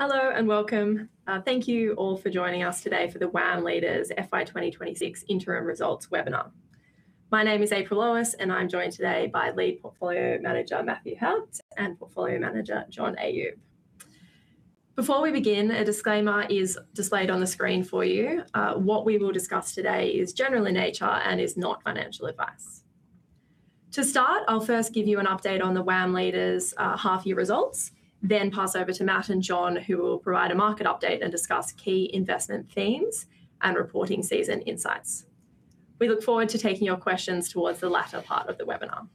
Hello and welcome. Thank you all for joining us today for the WAM Leaders FY 2026 Interim Results webinar. My name is April Lowis, and I'm joined today by Lead Portfolio Manager Matthew Haupt and Portfolio Manager John Ayoub. Before we begin, a disclaimer is displayed on the screen for you. What we will discuss today is general in nature and is not financial advice. To start, I'll first give you an update on the WAM Leaders, half year results, then pass over to Matt and John who will provide a market update and discuss key investment themes and reporting season insights. We look forward to taking your questions towards the latter part of the webinar.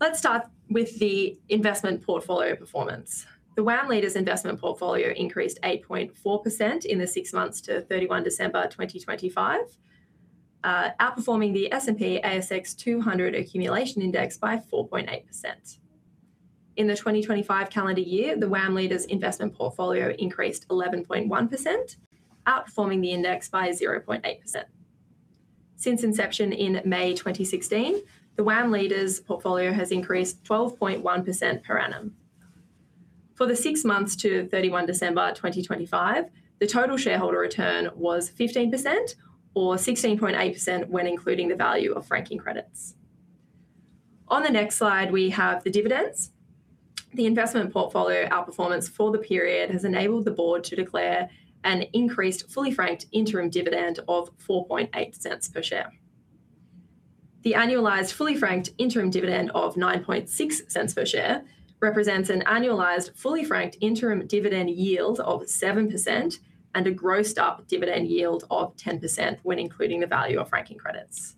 Let's start with the investment portfolio performance. The WAM Leaders investment portfolio increased 8.4% in the six months to 31 December 2025, outperforming the S&P/ASX 200 accumulation index by 4.8%. In the 2025 calendar year, the WAM Leaders investment portfolio increased 11.1%, outperforming the index by 0.8%. Since inception in May 2016, the WAM Leaders portfolio has increased 12.1% per annum. For the six months to 31 December 2025, the total shareholder return was 15% or 16.8% when including the value of franking credits. On the next slide, we have the dividends. The investment portfolio outperformance for the period has enabled the board to declare an increased fully franked interim dividend of 0.048 per share. The annualized fully franked interim dividend of 0.096 per share represents an annualized fully franked interim dividend yield of 7% and a grossed up dividend yield of 10% when including the value of franking credits.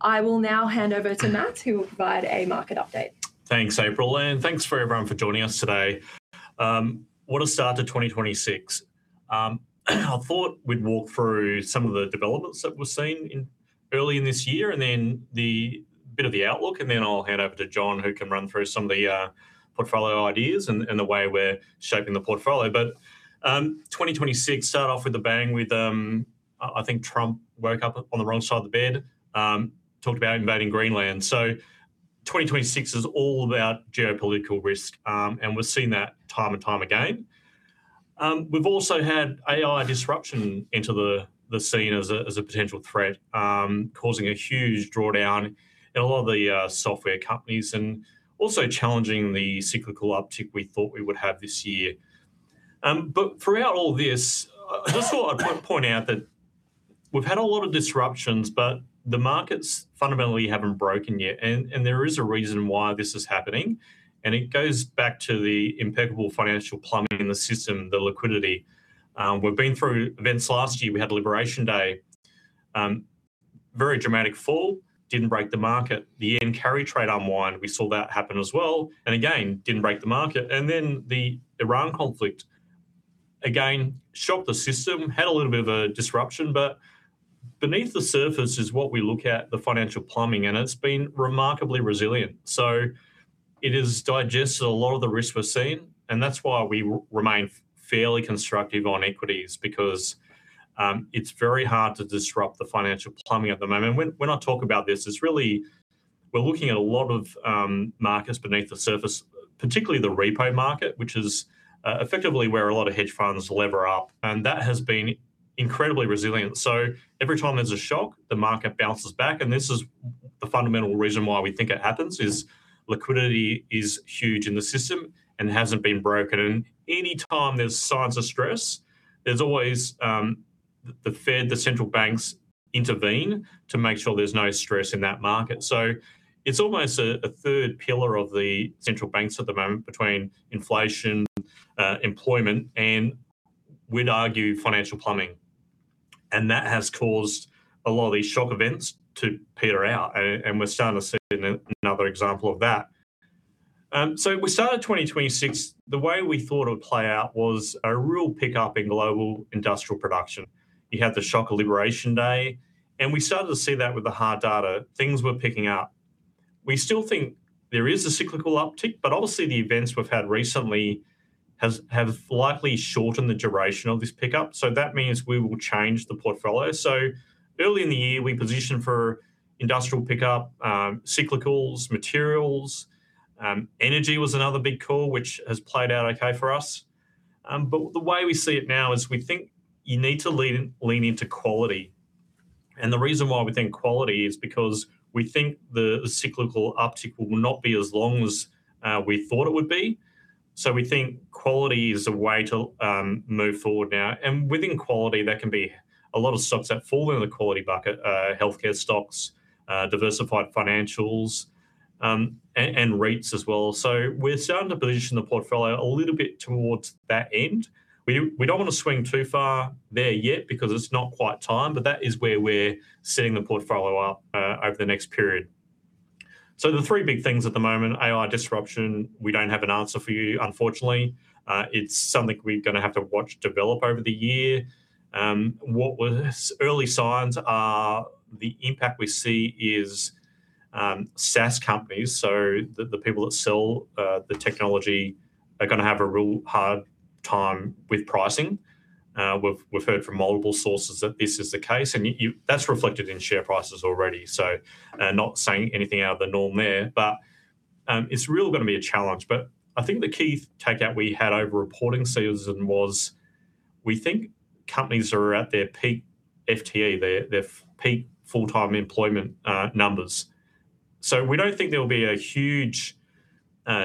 I will now hand over to Matt, who will provide a market update. Thanks, April, and thanks for everyone for joining us today. What a start to 2026. I thought we'd walk through some of the developments that we've seen early in this year, and then the bit of the outlook, and then I'll hand over to John who can run through some of the portfolio ideas and the way we're shaping the portfolio. 2026 started off with a bang with I think Trump woke up on the wrong side of the bed, talked about invading Greenland. 2026 is all about geopolitical risk, and we're seeing that time and time again. We've also had AI disruption enter the scene as a potential threat, causing a huge drawdown in a lot of the software companies and also challenging the cyclical uptick we thought we would have this year. Throughout all this, I just thought I'd point out that we've had a lot of disruptions, but the markets fundamentally haven't broken yet. There is a reason why this is happening, and it goes back to the impeccable financial plumbing in the system, the liquidity. We've been through events last year. We had Liberation Day. Very dramatic fall, didn't break the market. The yen carry trade unwind, we saw that happen as well, and again, didn't break the market. The Iran conflict, again, shocked the system, had a little bit of a disruption, but beneath the surface is what we look at, the financial plumbing, and it's been remarkably resilient. It has digested a lot of the risks we're seeing, and that's why we remain fairly constructive on equities because it's very hard to disrupt the financial plumbing at the moment. When I talk about this, it's really we're looking at a lot of markets beneath the surface, particularly the repo market, which is effectively where a lot of hedge funds lever up, and that has been incredibly resilient. Every time there's a shock, the market bounces back, and this is the fundamental reason why we think it happens, is liquidity is huge in the system and hasn't been broken. Any time there's signs of stress, there's always the Fed, the central banks intervene to make sure there's no stress in that market. It's almost a third pillar of the central banks at the moment between inflation, employment, and we'd argue financial plumbing. That has caused a lot of these shock events to peter out. We're starting to see another example of that. We started 2026, the way we thought it would play out was a real pickup in global industrial production. You had the shock of Liberation Day, and we started to see that with the hard data. Things were picking up. We still think there is a cyclical uptick, but obviously the events we've had recently have likely shortened the duration of this pickup, so that means we will change the portfolio. Early in the year, we positioned for industrial pickup, cyclicals, materials, energy was another big call, which has played out okay for us. The way we see it now is we think you need to lean into quality. The reason why we think quality is because we think the cyclical uptick will not be as long as we thought it would be. We think quality is a way to move forward now. Within quality, there can be a lot of stocks that fall in the quality bucket, healthcare stocks, diversified financials, and REITs as well. We're starting to position the portfolio a little bit towards that end. We don't wanna swing too far there yet because it's not quite time, but that is where we're setting the portfolio up over the next period. The three big things at the moment, AI disruption, we don't have an answer for you, unfortunately. It's something we're gonna have to watch develop over the year. What were the early signs are the impact we see is SaaS companies, so the people that sell the technology are gonna have a real hard-time with pricing. We've heard from multiple sources that this is the case, and that's reflected in share prices already. Not saying anything out of the norm there, but it's really gonna be a challenge. I think the key takeout we had over reporting season was we think companies are at their peak FTE, their peak full-time employment numbers. We don't think there will be a huge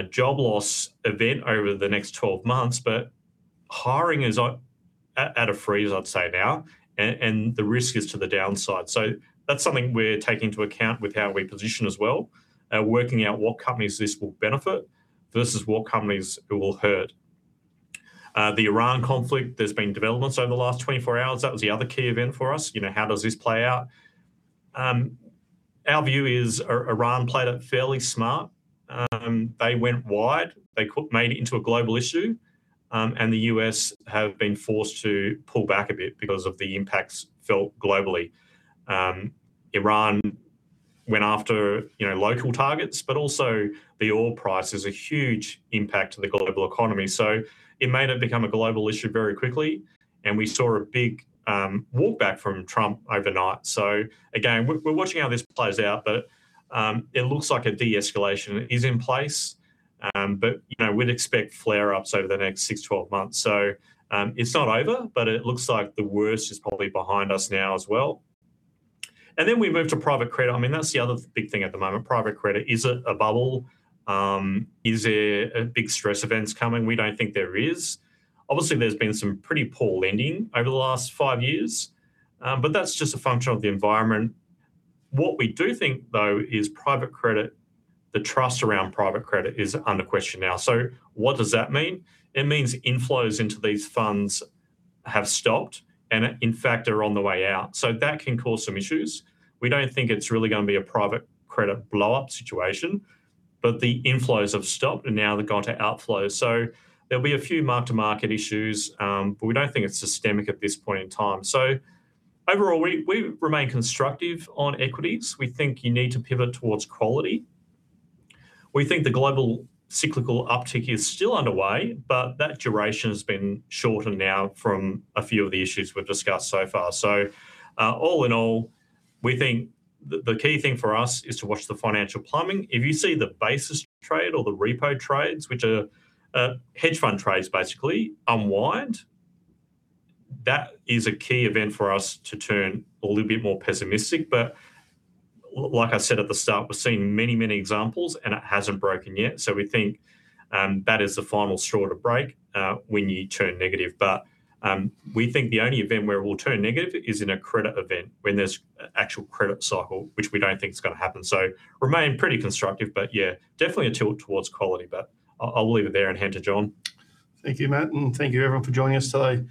job loss event over the next 12 months, but hiring is at a freeze, I'd say now, and the risk is to the downside. That's something we're taking into account with how we position as well, working out what companies this will benefit versus what companies it will hurt. The Iran conflict, there's been developments over the last 24 hours. That was the other key event for us. You know, how does this play out? Our view is Iran played it fairly smart. They went wide, they made it into a global issue, and the U.S. have been forced to pull back a bit because of the impacts felt globally. Iran went after, you know, local targets, but also the oil price is a huge impact to the global economy. It may not become a global issue very quickly. We saw a big walk back from Trump overnight. Again, we're watching how this plays out, but it looks like a de-escalation is in place. But, you know, we'd expect flare-ups over the next six, 12 months. It's not over, but it looks like the worst is probably behind us now as well. Then we move to private credit. I mean, that's the other big thing at the moment. Private credit, is it a bubble? Is there a big stress event coming? We don't think there is. Obviously, there's been some pretty poor lending over the last five years, but that's just a function of the environment. What we do think, though, is private credit, the trust around private credit is under question now. What does that mean? It means inflows into these funds have stopped and in fact are on the way out. That can cause some issues. We don't think it's really going to be a private credit blow-up situation, but the inflows have stopped and now they've gone to outflows. There will be a few mark-to-market issues, but we don't think it's systemic at this point in time. Overall, we remain constructive on equities. We think you need to pivot towards quality. We think the global cyclical uptick is still underway, but that duration has been shortened now from a few of the issues we've discussed so far. All in all, we think the key thing for us is to watch the financial plumbing. If you see the basis trade or the repo trades, which are hedge fund trades basically, unwind, that is a key event for us to turn a little bit more pessimistic. Like I said at the start, we're seeing many, many examples, and it hasn't broken yet, so we think that is the final straw to break when you turn negative. We think the only event where it will turn negative is in a credit event when there's actual credit cycle, which we don't think is gonna happen. Remain pretty constructive, but yeah, definitely a tilt towards quality. I'll leave it there and hand to John. Thank you, Matt, and thank you everyone for joining us today.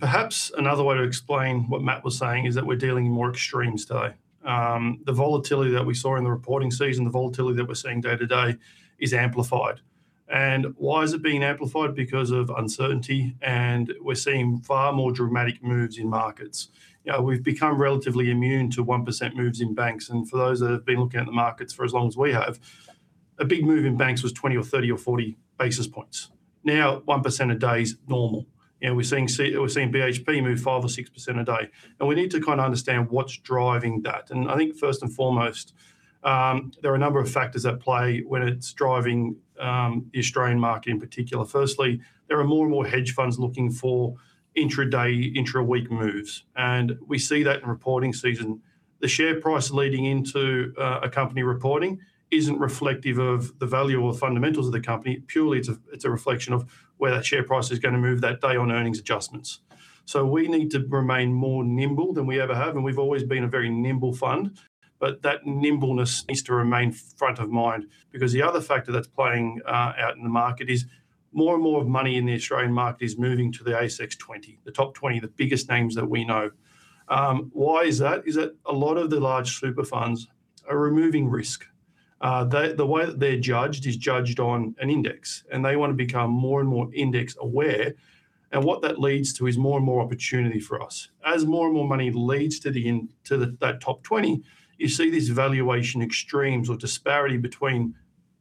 Perhaps another way to explain what Matt was saying is that we're dealing in more extremes today. The volatility that we saw in the reporting season, the volatility that we're seeing day to day is amplified. Why is it being amplified? Because of uncertainty, and we're seeing far more dramatic moves in markets. You know, we've become relatively immune to 1% moves in banks, and for those that have been looking at the markets for as long as we have, a big move in banks was 20 or 30 or 40 basis points. Now, 1% a day is normal. You know, we're seeing BHP move 5% or 6% a day, and we need to kinda understand what's driving that. I think first and foremost, there are a number of factors at play when it's driving the Australian market in particular. Firstly, there are more and more hedge funds looking for intraday, intraweek moves, and we see that in reporting season. The share price leading into a company reporting isn't reflective of the value or the fundamentals of the company. Purely, it's a reflection of where that share price is gonna move that day on earnings adjustments. We need to remain more nimble than we ever have, and we've always been a very nimble fund, but that nimbleness needs to remain front of mind because the other factor that's playing out in the market is more and more of money in the Australian market is moving to the ASX20, the top 20, the biggest names that we know. Why is that? Is that a lot of the large super funds are removing risk. The way that they're judged is judged on an index, and they wanna become more and more index aware, and what that leads to is more and more opportunity for us. As more and more money leads to the, that top 20, you see these valuation extremes or disparity between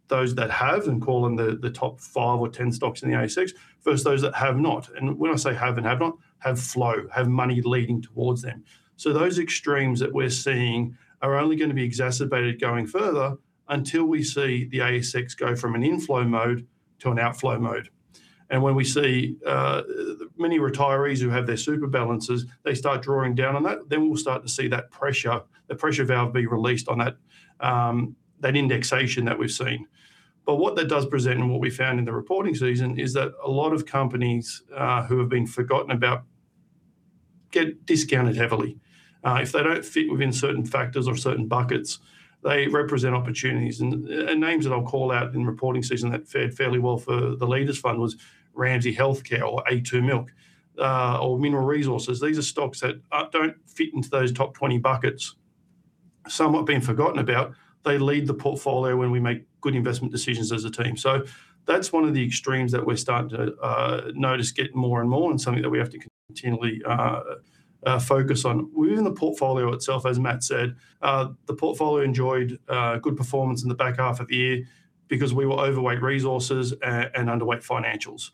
those that have, and call them the top 5 or 10 stocks in the ASX, versus those that have not, and when I say have and have not, have flow, have money leading towards them. Those extremes that we're seeing are only gonna be exacerbated going further until we see the ASX go from an inflow mode to an outflow mode. When we see many retirees who have their super balances, they start drawing down on that, then we'll start to see that pressure, the pressure valve being released on that indexation that we've seen. What that does present and what we found in the reporting season is that a lot of companies who have been forgotten about get discounted heavily. If they don't fit within certain factors or certain buckets, they represent opportunities, and names that I'll call out in reporting season that fared fairly well for the Leaders Fund was Ramsay Health Care or A2 Milk or Mineral Resources. These are stocks that don't fit into those top 20 buckets. Somewhat been forgotten about. They lead the portfolio when we make good investment decisions as a team. That's one of the extremes that we're starting to notice get more and more and something that we have to continually focus on. Within the portfolio itself, as Matt said, the portfolio enjoyed good performance in the back half of the year because we were overweight resources and underweight financials.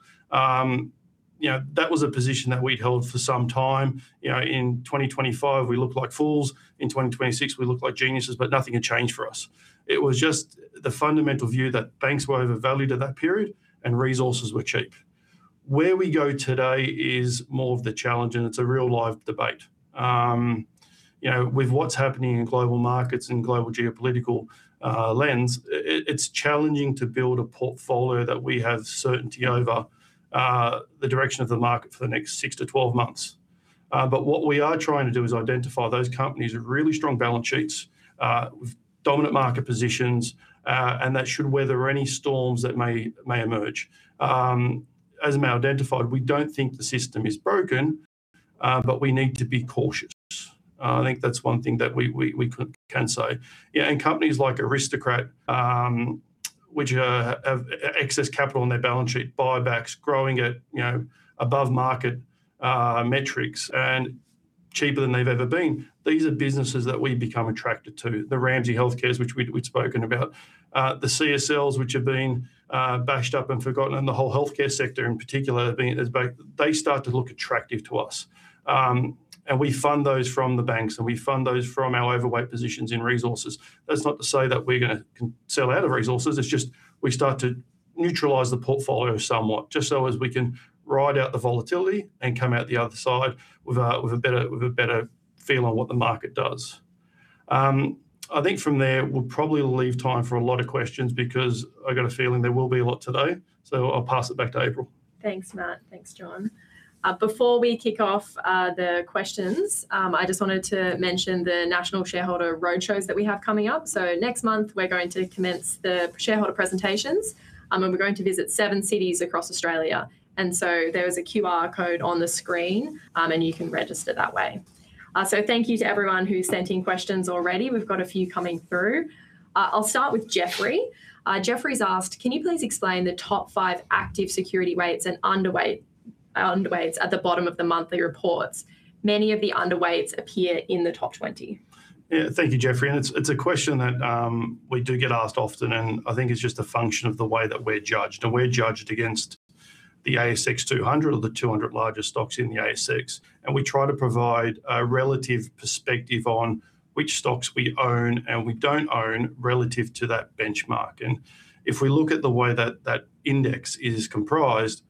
You know, that was a position that we'd held for some time. You know, in 2025, we looked like fools, in 2026, we looked like geniuses, nothing had changed for us. It was just the fundamental view that banks were overvalued at that period and resources were cheap. Where we go today is more of the challenge, it's a real live debate. You know, with what's happening in global markets and global geopolitical lens, it's challenging to build a portfolio that we have certainty over the direction of the market for the next six to 12 months. What we are trying to do is identify those companies with really strong balance sheets, with dominant market positions, and that should weather any storms that may emerge. As Matt identified, we don't think the system is broken, but we need to be cautious. I think that's one thing that we can say. Companies like Aristocrat, which have excess capital on their balance sheet, buybacks, growing at, you know, above market metrics and cheaper than they've ever been. These are businesses that we've become attracted to. The Ramsay Health Cares, which we'd spoken about, the CSLs, which have been bashed up and forgotten, and the whole healthcare sector in particular have been, has both. They start to look attractive to us. We fund those from the banks, and we fund those from our overweight positions in resources. That's not to say that we're gonna sell out of resources, it's just we start to neutralize the portfolio somewhat, just so as we can ride out the volatility and come out the other side with a better feel on what the market does. I think from there we'll probably leave time for a lot of questions because I've got a feeling there will be a lot today. I'll pass it back to April. Thanks, Matt. Thanks, John. Before we kick off the questions, I just wanted to mention the national shareholder roadshows that we have coming up. Next month, we're going to commence the shareholder presentations, and we're going to visit seven cities across Australia. There is a QR code on the screen, and you can register that way. Thank you to everyone who sent in questions already. We've got a few coming through. I'll start with Jeffrey. Jeffrey's asked, "Can you please explain the top five active security rates and underweights at the bottom of the monthly reports?" Many of the underweights appear in the top 20. Yeah. Thank you, Jeffrey, it's a question that we do get asked often, and I think it's just a function of the way that we're judged. We're judged against the ASX 200, or the 200 largest stocks in the ASX, and we try to provide a relative perspective on which stocks we own and we don't own relative to that benchmark. If we look at the way that that index is comprised,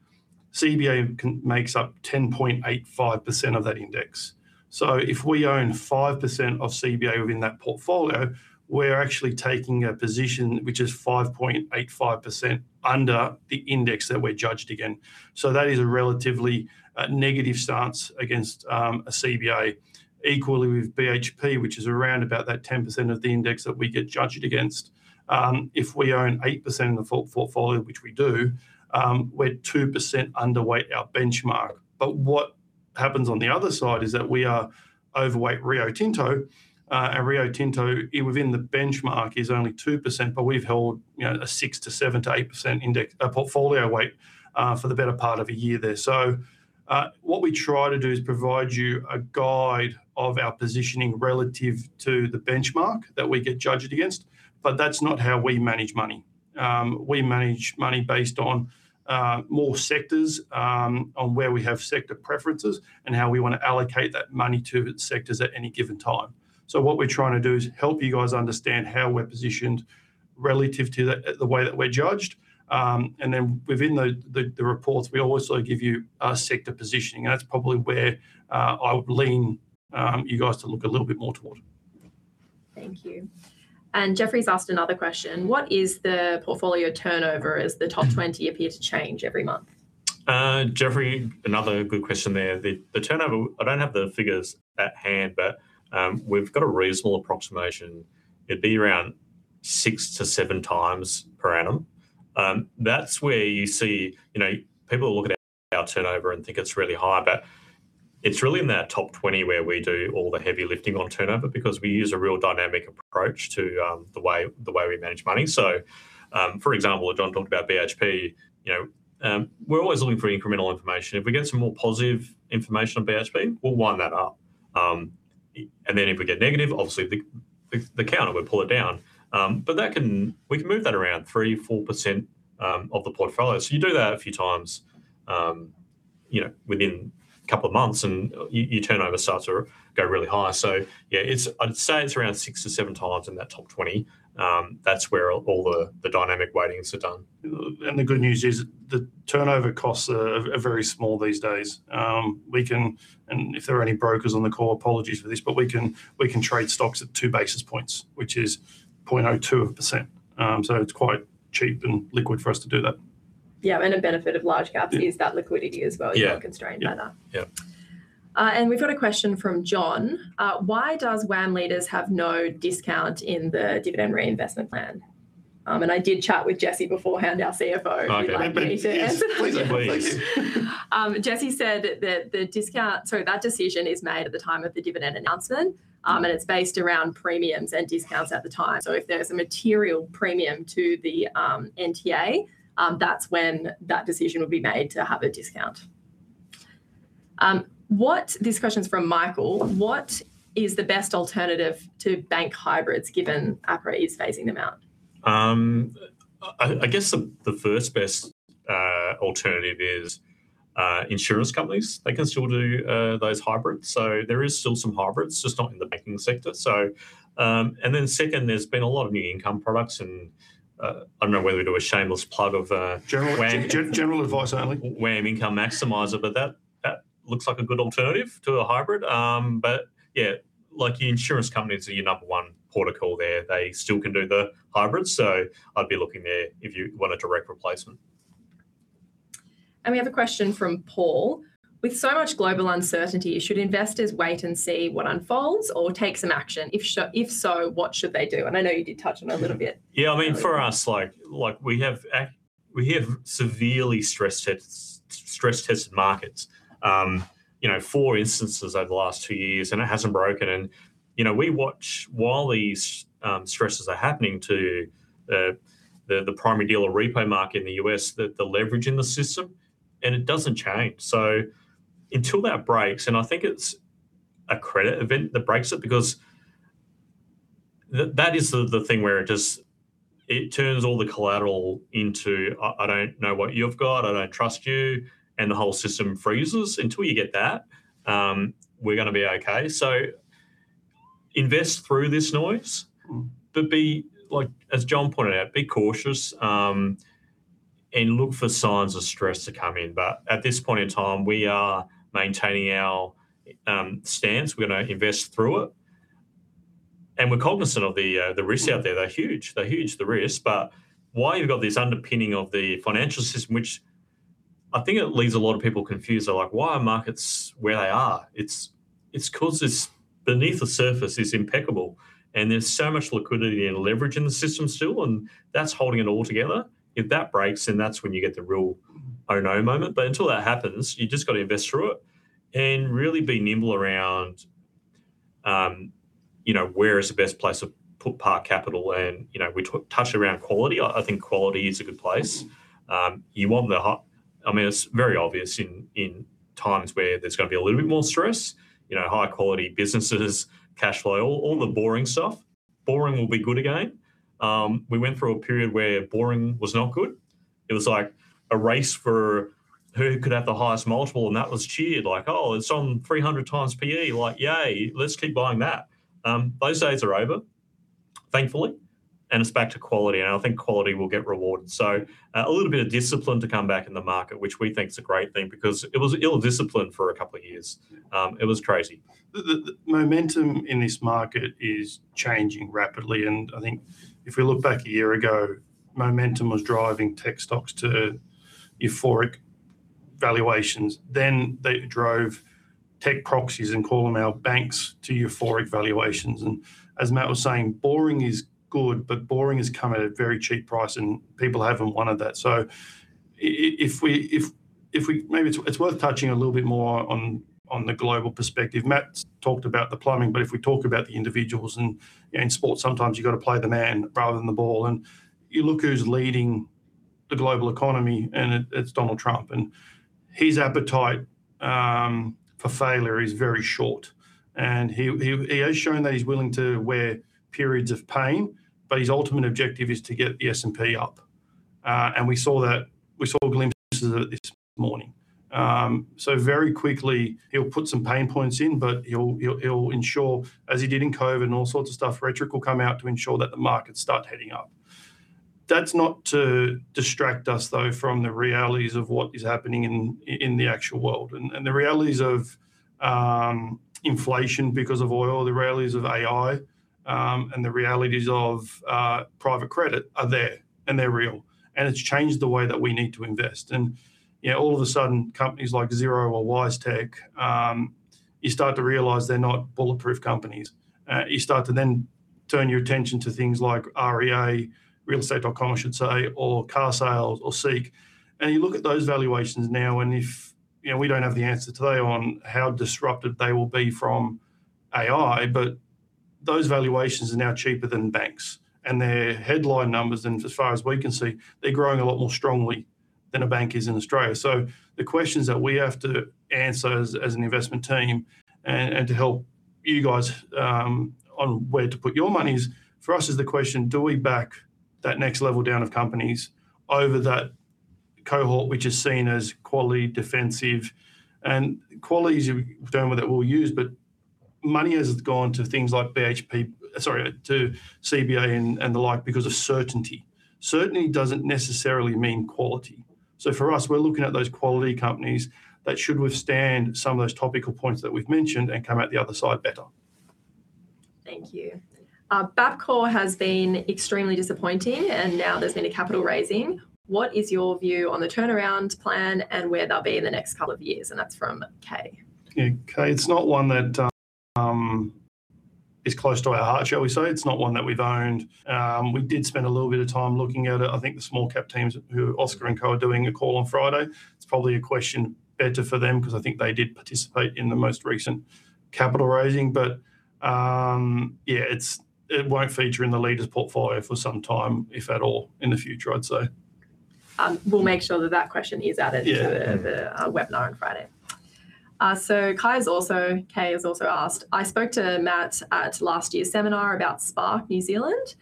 CBA makes up 10.85% of that index. If we own 5% of CBA within that portfolio, we're actually taking a position which is 5.85% under the index that we're judged against. That is a relatively negative stance against a CBA. Equally with BHP, which is around about that 10% of the index that we get judged against, if we own 8% of the full portfolio, which we do, we're 2% underweight our benchmark. What happens on the other side is that we are overweight Rio Tinto, and Rio Tinto within the benchmark is only 2%, but we've held, you know, a 6%-7%-8% index portfolio weight for the better part of a year there. What we try to do is provide you a guide of our positioning relative to the benchmark that we get judged against, but that's not how we manage money. We manage money based on more sectors, on where we have sector preferences and how we wanna allocate that money to its sectors at any given time. What we're trying to do is help you guys understand how we're positioned relative to the way that we're judged, and then within the reports, we also give you our sector positioning, and that's probably where I would lean you guys to look a little bit more toward. Thank you. Jeffrey's asked another question: "What is the portfolio turnover as the top 20 appear to change every month? Jeffrey, another good question there. The turnover, I don't have the figures at hand, but we've got a reasonable approximation. It'd be around six to seven times per annum. That's where you see, you know, people look at our turnover and think it's really high, but it's really in that top 20 where we do all the heavy lifting on turnover because we use a real dynamic approach to the way we manage money. For example, if John talked about BHP, you know, we're always looking for incremental information. If we get some more positive information on BHP, we'll wind that up. And then if we get negative, obviously the counter will pull it down. But we can move that around 3%-4% of the portfolio. You do that a few times, you know, within a couple of months and you turnover starts to go really high. Yeah, it's... I'd say it's around six to seven times in that top 20. That's where all the dynamic weightings are done. The good news is the turnover costs are very small these days. If there are any brokers on the call, apologies for this, but we can trade stocks at 2 basis points, which is 0.02%. It's quite cheap and liquid for us to do that. Yeah, a benefit of large caps is that liquidity as well. Yeah. You're not constrained by that. Yeah. We've got a question from John: "Why does WAM Leaders have no discount in the dividend reinvestment plan?" I did chat with Jesse beforehand, our CFO. Okay. If you'd like me to- Please, please. Jesse said that decision is made at the time of the dividend announcement, it's based around premiums and discounts at the time. If there's a material premium to the NTA, that's when that decision would be made to have a discount. This question's from Michael: What is the best alternative to bank hybrids given APRA is phasing them out? I guess the first best alternative is insurance companies. They can still do those hybrids, so there is still some hybrids, just not in the banking sector. Then second, there's been a lot of new income products and I don't know whether to do a shameless plug of. General WAM General advice only. WAM Income Maximiser, but that looks like a good alternative to a hybrid. Yeah, like your insurance companies are your number one port of call there. They still can do the hybrids. I'd be looking there if you want a direct replacement. We have a question from Paul: With so much global uncertainty, should investors wait and see what unfolds or take some action? If so, what should they do? I know you did touch on it a little bit earlier. Yeah, I mean, for us, like we have severely stress tested markets, you know, four instances over the last two years and it hasn't broken. You know, we watch while these stresses are happening to the primary dealer repo market in the U.S., the leverage in the system, and it doesn't change. Until that breaks, and I think it's a credit event that breaks it because that is the thing where it just, it turns all the collateral into I, "I don't know what you've got, I don't trust you," and the whole system freezes. Until you get that, we're gonna be okay. Invest through this noise. Mm. Be, like as John pointed out, be cautious, and look for signs of stress to come in. At this point in time, we are maintaining our stance. We're gonna invest through it, and we're cognizant of the risks out there. They're huge. They're huge, the risk, but while you've got this underpinning of the financial system, which I think it leaves a lot of people confused. They're like, "Why are markets where they are?" It's 'cause it's beneath the surface it's impeccable, and there's so much liquidity and leverage in the system still, and that's holding it all together. If that breaks, then that's when you get the real oh no moment. Until that happens, you just got to invest through it and really be nimble around, you know, where is the best place to put part capital and, you know, we touched around quality. I think quality is a good place. You want the I mean, it's very obvious in times where there's gonna be a little bit more stress, you know, high quality businesses, cash flow, all the boring stuff. Boring will be good again. We went through a period where boring was not good. It was like a race for who could have the highest multiple, and that was cheered like, "Oh, it's on 300x PE. Like, yay, let's keep buying that." Those days are over, thankfully, and it's back to quality, and I think quality will get rewarded. A little bit of discipline to come back in the market, which we think is a great thing because it was ill-discipline for a couple of years. It was crazy. The momentum in this market is changing rapidly and I think if we look back a year ago, momentum was driving tech stocks to euphoric valuations. They drove tech proxies, and call them our banks, to euphoric valuations, and as Matt was saying, boring is good, but boring has come at a very cheap price, and people haven't wanted that. If we maybe it's worth touching a little bit more on the global perspective. Matt's talked about the plumbing, but if we talk about the individuals, and in sports sometimes you've gotta play the man rather than the ball, and you look who's leading the global economy and it's Donald Trump. His appetite for failure is very short and he has shown that he's willing to wear periods of pain, but his ultimate objective is to get the S&P up. We saw glimpses of it this morning. Very quickly he'll put some pain points in, but he'll ensure, as he did in COVID and all sorts of stuff, rhetoric will come out to ensure that the markets start heading up. That's not to distract us though from the realities of what is happening in the actual world and the realities of inflation because of oil, the realities of AI, and the realities of private credit are there and they're real, and it's changed the way that we need to invest. You know, all of a sudden companies like Xero or WiseTech, you start to realize they're not bulletproof companies. You start to then turn your attention to things like REA, Realestate.com I should say, or Carsales or SEEK. You look at those valuations now and if. You know, we don't have the answer today on how disrupted they will be from AI, but those valuations are now cheaper than banks and their headline numbers and as far as we can see, they're growing a lot more strongly than a bank is in Australia. The questions that we have to answer as an investment team and to help you guys on where to put your money is, for us is the question, do we back that next level down of companies over that cohort which is seen as quality, defensive? Quality is a term that we'll use, but money has gone to things like BHP, sorry, to CBA and the like because of certainty. Certainty doesn't necessarily mean quality. For us, we're looking at those quality companies that should withstand some of those topical points that we've mentioned and come out the other side better. Thank you. "Bapcor has been extremely disappointing and now there's been a capital raising. What is your view on the turnaround plan and where they'll be in the next couple of years?" That's from Kay. Yeah, Kay, it's not one that is close to our heart, shall we say. It's not one that we've owned. We did spend a little bit of time looking at it. I think the small cap teams who Oscar and co are doing a call on Friday, it's probably a question better for them 'cause I think they did participate in the most recent capital raising. Yeah, it's, it won't feature in the Leaders' portfolio for some time, if at all, in the future I'd say. We'll make sure that that question is added- Yeah. Mm-hmm. to the webinar on Friday. So Kay has also asked, "I spoke to Matt at last year's seminar about Spark New Zealand.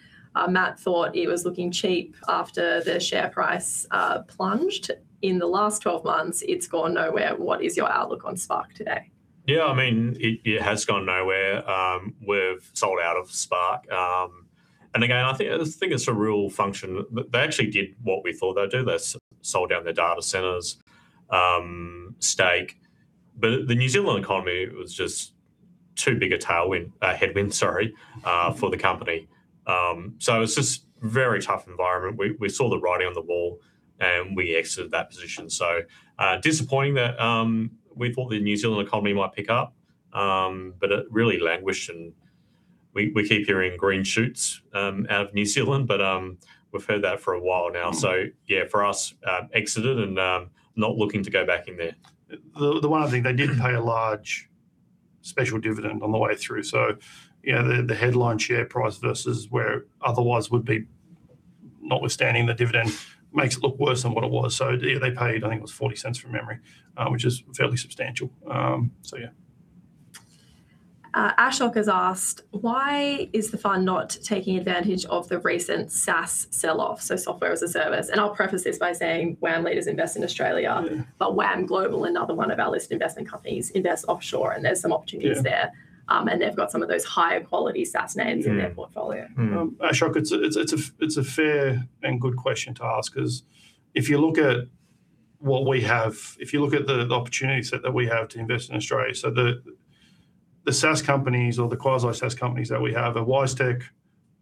Matt thought it was looking cheap after the share price plunged. In the last 12 months it's gone nowhere. What is your outlook on Spark today? Yeah, I mean, it has gone nowhere. We've sold out of Spark. Again, I think it's a real function. They actually did what we thought they'd do, they sold down their data centers, stake. The New Zealand economy was just too big a tailwind, headwind, sorry, for the company. It's just very tough environment. We saw the writing on the wall and we exited that position. Disappointing that we thought the New Zealand economy might pick up, but it really languished and we keep hearing green shoots out of New Zealand, but we've heard that for a while now. Mm. Yeah, for us, exited and not looking to go back in there. The one other thing, they did pay a large special dividend on the way through, so yeah, the headline share price versus where otherwise would be notwithstanding the dividend makes it look worse than what it was. They paid, I think it was 0.40 from memory, which is fairly substantial. Yeah. Ashok has asked, "Why is the fund not taking advantage of the recent SaaS sell-off?" Software as a service, and I'll preface this by saying WAM Leaders invest in Australia. Yeah. WAM Global, another one of our listed investment companies, invests offshore and there's some opportunities there. Yeah. They've got some of those higher quality SaaS names. Mm in their portfolio. Mm. Ashok, it's a fair and good question to ask, 'cause if you look at what we have, if you look at the opportunity set that we have to invest in Australia. The SaaS companies or the quasi SaaS companies that we have are WiseTech,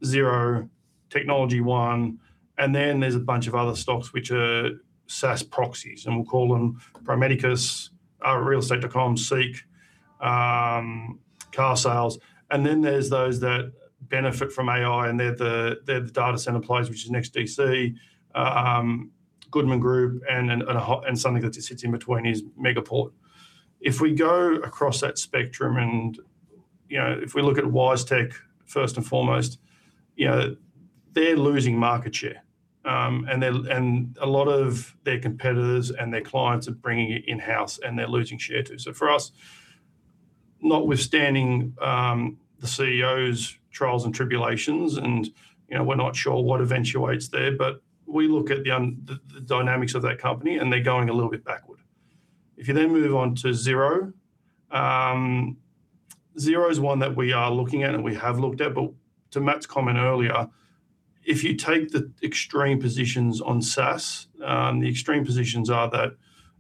Xero, Technology One. Then there's a bunch of other stocks which are SaaS proxies, and we'll call them Pro Medicus, realestate.com.au, SEEK, Carsales. Then there's those that benefit from AI, and they're the data center players, which is NEXTDC, Goodman Group, and something that sits in between is Megaport. We go across that spectrum and, you know, if we look at WiseTech first and foremost, you know, they're losing market share. A lot of their competitors and their clients are bringing it in-house and they're losing share too. For us, notwithstanding, the CEO's trials and tribulations and, you know, we're not sure what eventuates there, but we look at the dynamics of that company and they're going a little bit backward. If you then move on to Xero is one that we are looking at and we have looked at, but to Matt's comment earlier, if you take the extreme positions on SaaS, the extreme positions are that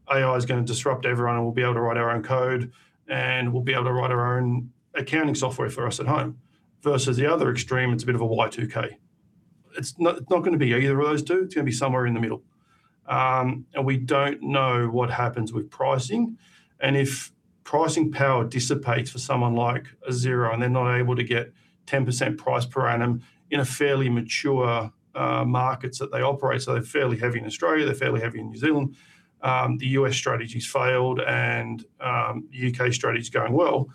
AI is gonna disrupt everyone and we'll be able to write our own code, and we'll be able to write our own accounting software for us at home, versus the other extreme, it's a bit of a Y2K. It's not gonna be either of those two, it's gonna be somewhere in the middle. We don't know what happens with pricing and if pricing power dissipates for someone like a Xero and they're not able to get 10% price per annum in a fairly mature markets that they operate, so they're fairly heavy in Australia, they're fairly heavy in New Zealand, the U.S. strategy's failed and U.K. strategy's going well.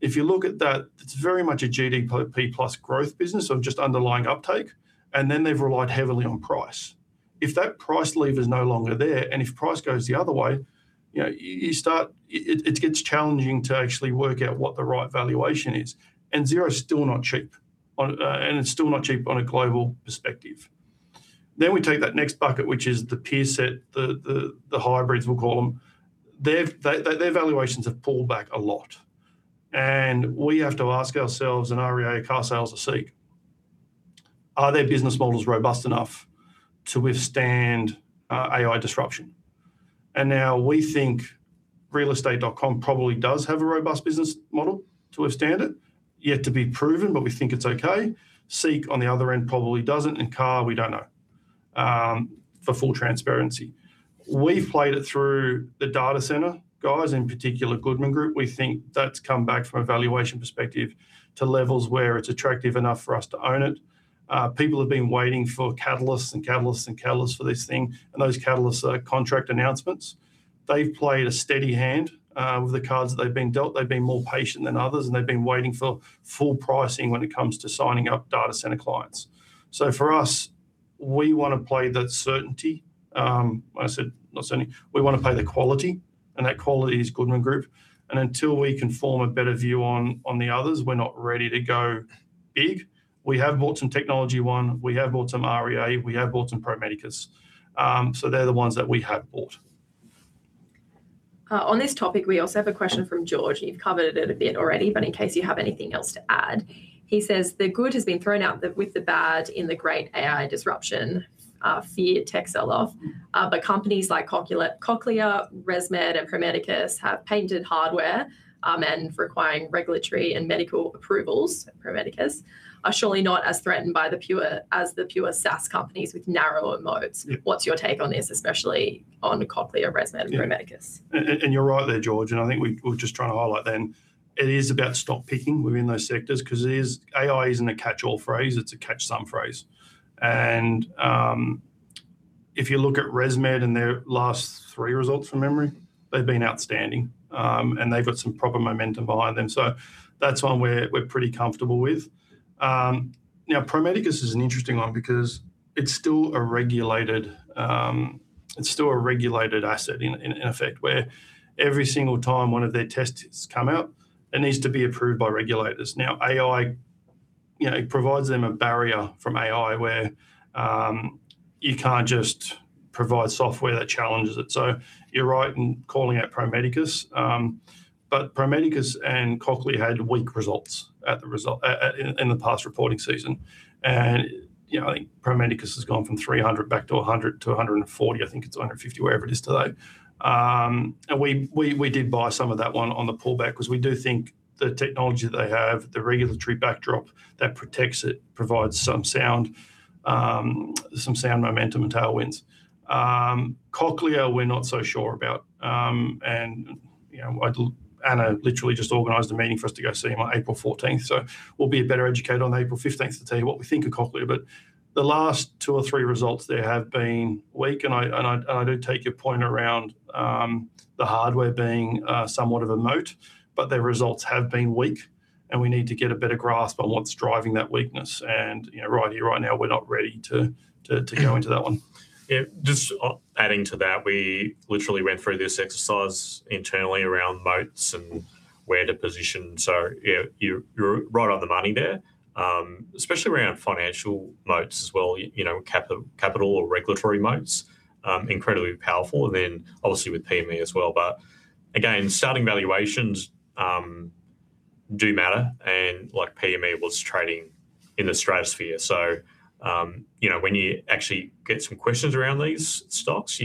If you look at that, it's very much a GDP plus growth business of just underlying uptake, and then they've relied heavily on price. If that price lever is no longer there, and if price goes the other way, you know, you start... It gets challenging to actually work out what the right valuation is. Xero's still not cheap on, and it's still not cheap on a global perspective. We take that next bucket, which is the peer set, the hybrids we'll call them. Their valuations have pulled back a lot and we have to ask ourselves, REA, Carsales and SEEK, are their business models robust enough to withstand AI disruption? Now we think realestate.com probably does have a robust business model to withstand it, yet to be proven, but we think it's okay. SEEK on the other end probably doesn't, and CAR we don't know. For full transparency. We played it through the data center guys, in particular Goodman Group. We think that's come back from a valuation perspective to levels where it's attractive enough for us to own it. People have been waiting for catalysts and catalysts and catalysts for this thing, those catalysts are contract announcements. They've played a steady hand with the cards that they've been dealt. They've been more patient than others, they've been waiting for full pricing when it comes to signing up data center clients. For us, we wanna play the certainty. When I said not certainty, we wanna play the quality, that quality is Goodman Group, until we can form a better view on the others, we're not ready to go big. We have bought some TechnologyOne, we have bought some REA, we have bought some Pro Medicus. They're the ones that we have bought. On this topic, we also have a question from George. You've covered it a bit already, but in case you have anything else to add. He says, "The good has been thrown out the, with the bad in the great AI disruption, feared tech sell-off, but companies like Cochlear, ResMed and Pro Medicus have patented hardware, and requiring regulatory and medical approvals," Pro Medicus, "are surely not as threatened by the pure, as the pure SaaS companies with narrower modes. Yeah. What's your take on this, especially on Cochlear, ResMed... Yeah and Pro Medicus? You're right there, George, I think we're just trying to highlight it is about stock picking within those sectors 'cause it is. AI isn't a catch-all phrase, it's a catch-some phrase. If you look at ResMed and their last three results from memory. They've been outstanding, and they've got some proper momentum behind them. That's one we're pretty comfortable with. Now, Pro Medicus is an interesting one because it's still a regulated, it's still a regulated asset in effect, where every single time one of their tests come out, it needs to be approved by regulators. AI, you know, it provides them a barrier from AI where, you can't just provide software that challenges it. You're right in calling out Pro Medicus. Pro Medicus and Cochlear had weak results at the result. In the past reporting season. You know, I think Pro Medicus has gone from 300 back to 100-140. I think it's 150, wherever it is today. We did buy some of that one on the pullback 'cause we do think the technology they have, the regulatory backdrop that protects it provides some sound momentum and tailwinds. Cochlear we're not so sure about. You know, Anna literally just organized a meeting for us to go see 'em on April 14th, so we'll be better educated on April 15th to tell you what we think of Cochlear. The last two or three results there have been weak, and I do take your point around the hardware being somewhat of a moat. Their results have been weak, and we need to get a better grasp on what's driving that weakness. You know, right here, right now, we're not ready to go into that one. Yeah. Just adding to that, we literally went through this exercise internally around moats and where to position. Yeah, you're right on the money there, especially around financial moats as well, you know, capital or regulatory moats, incredibly powerful. Obviously with PME as well. Again, starting valuations do matter, and like PME was trading in the stratosphere. You know, when you actually get some questions around these stocks,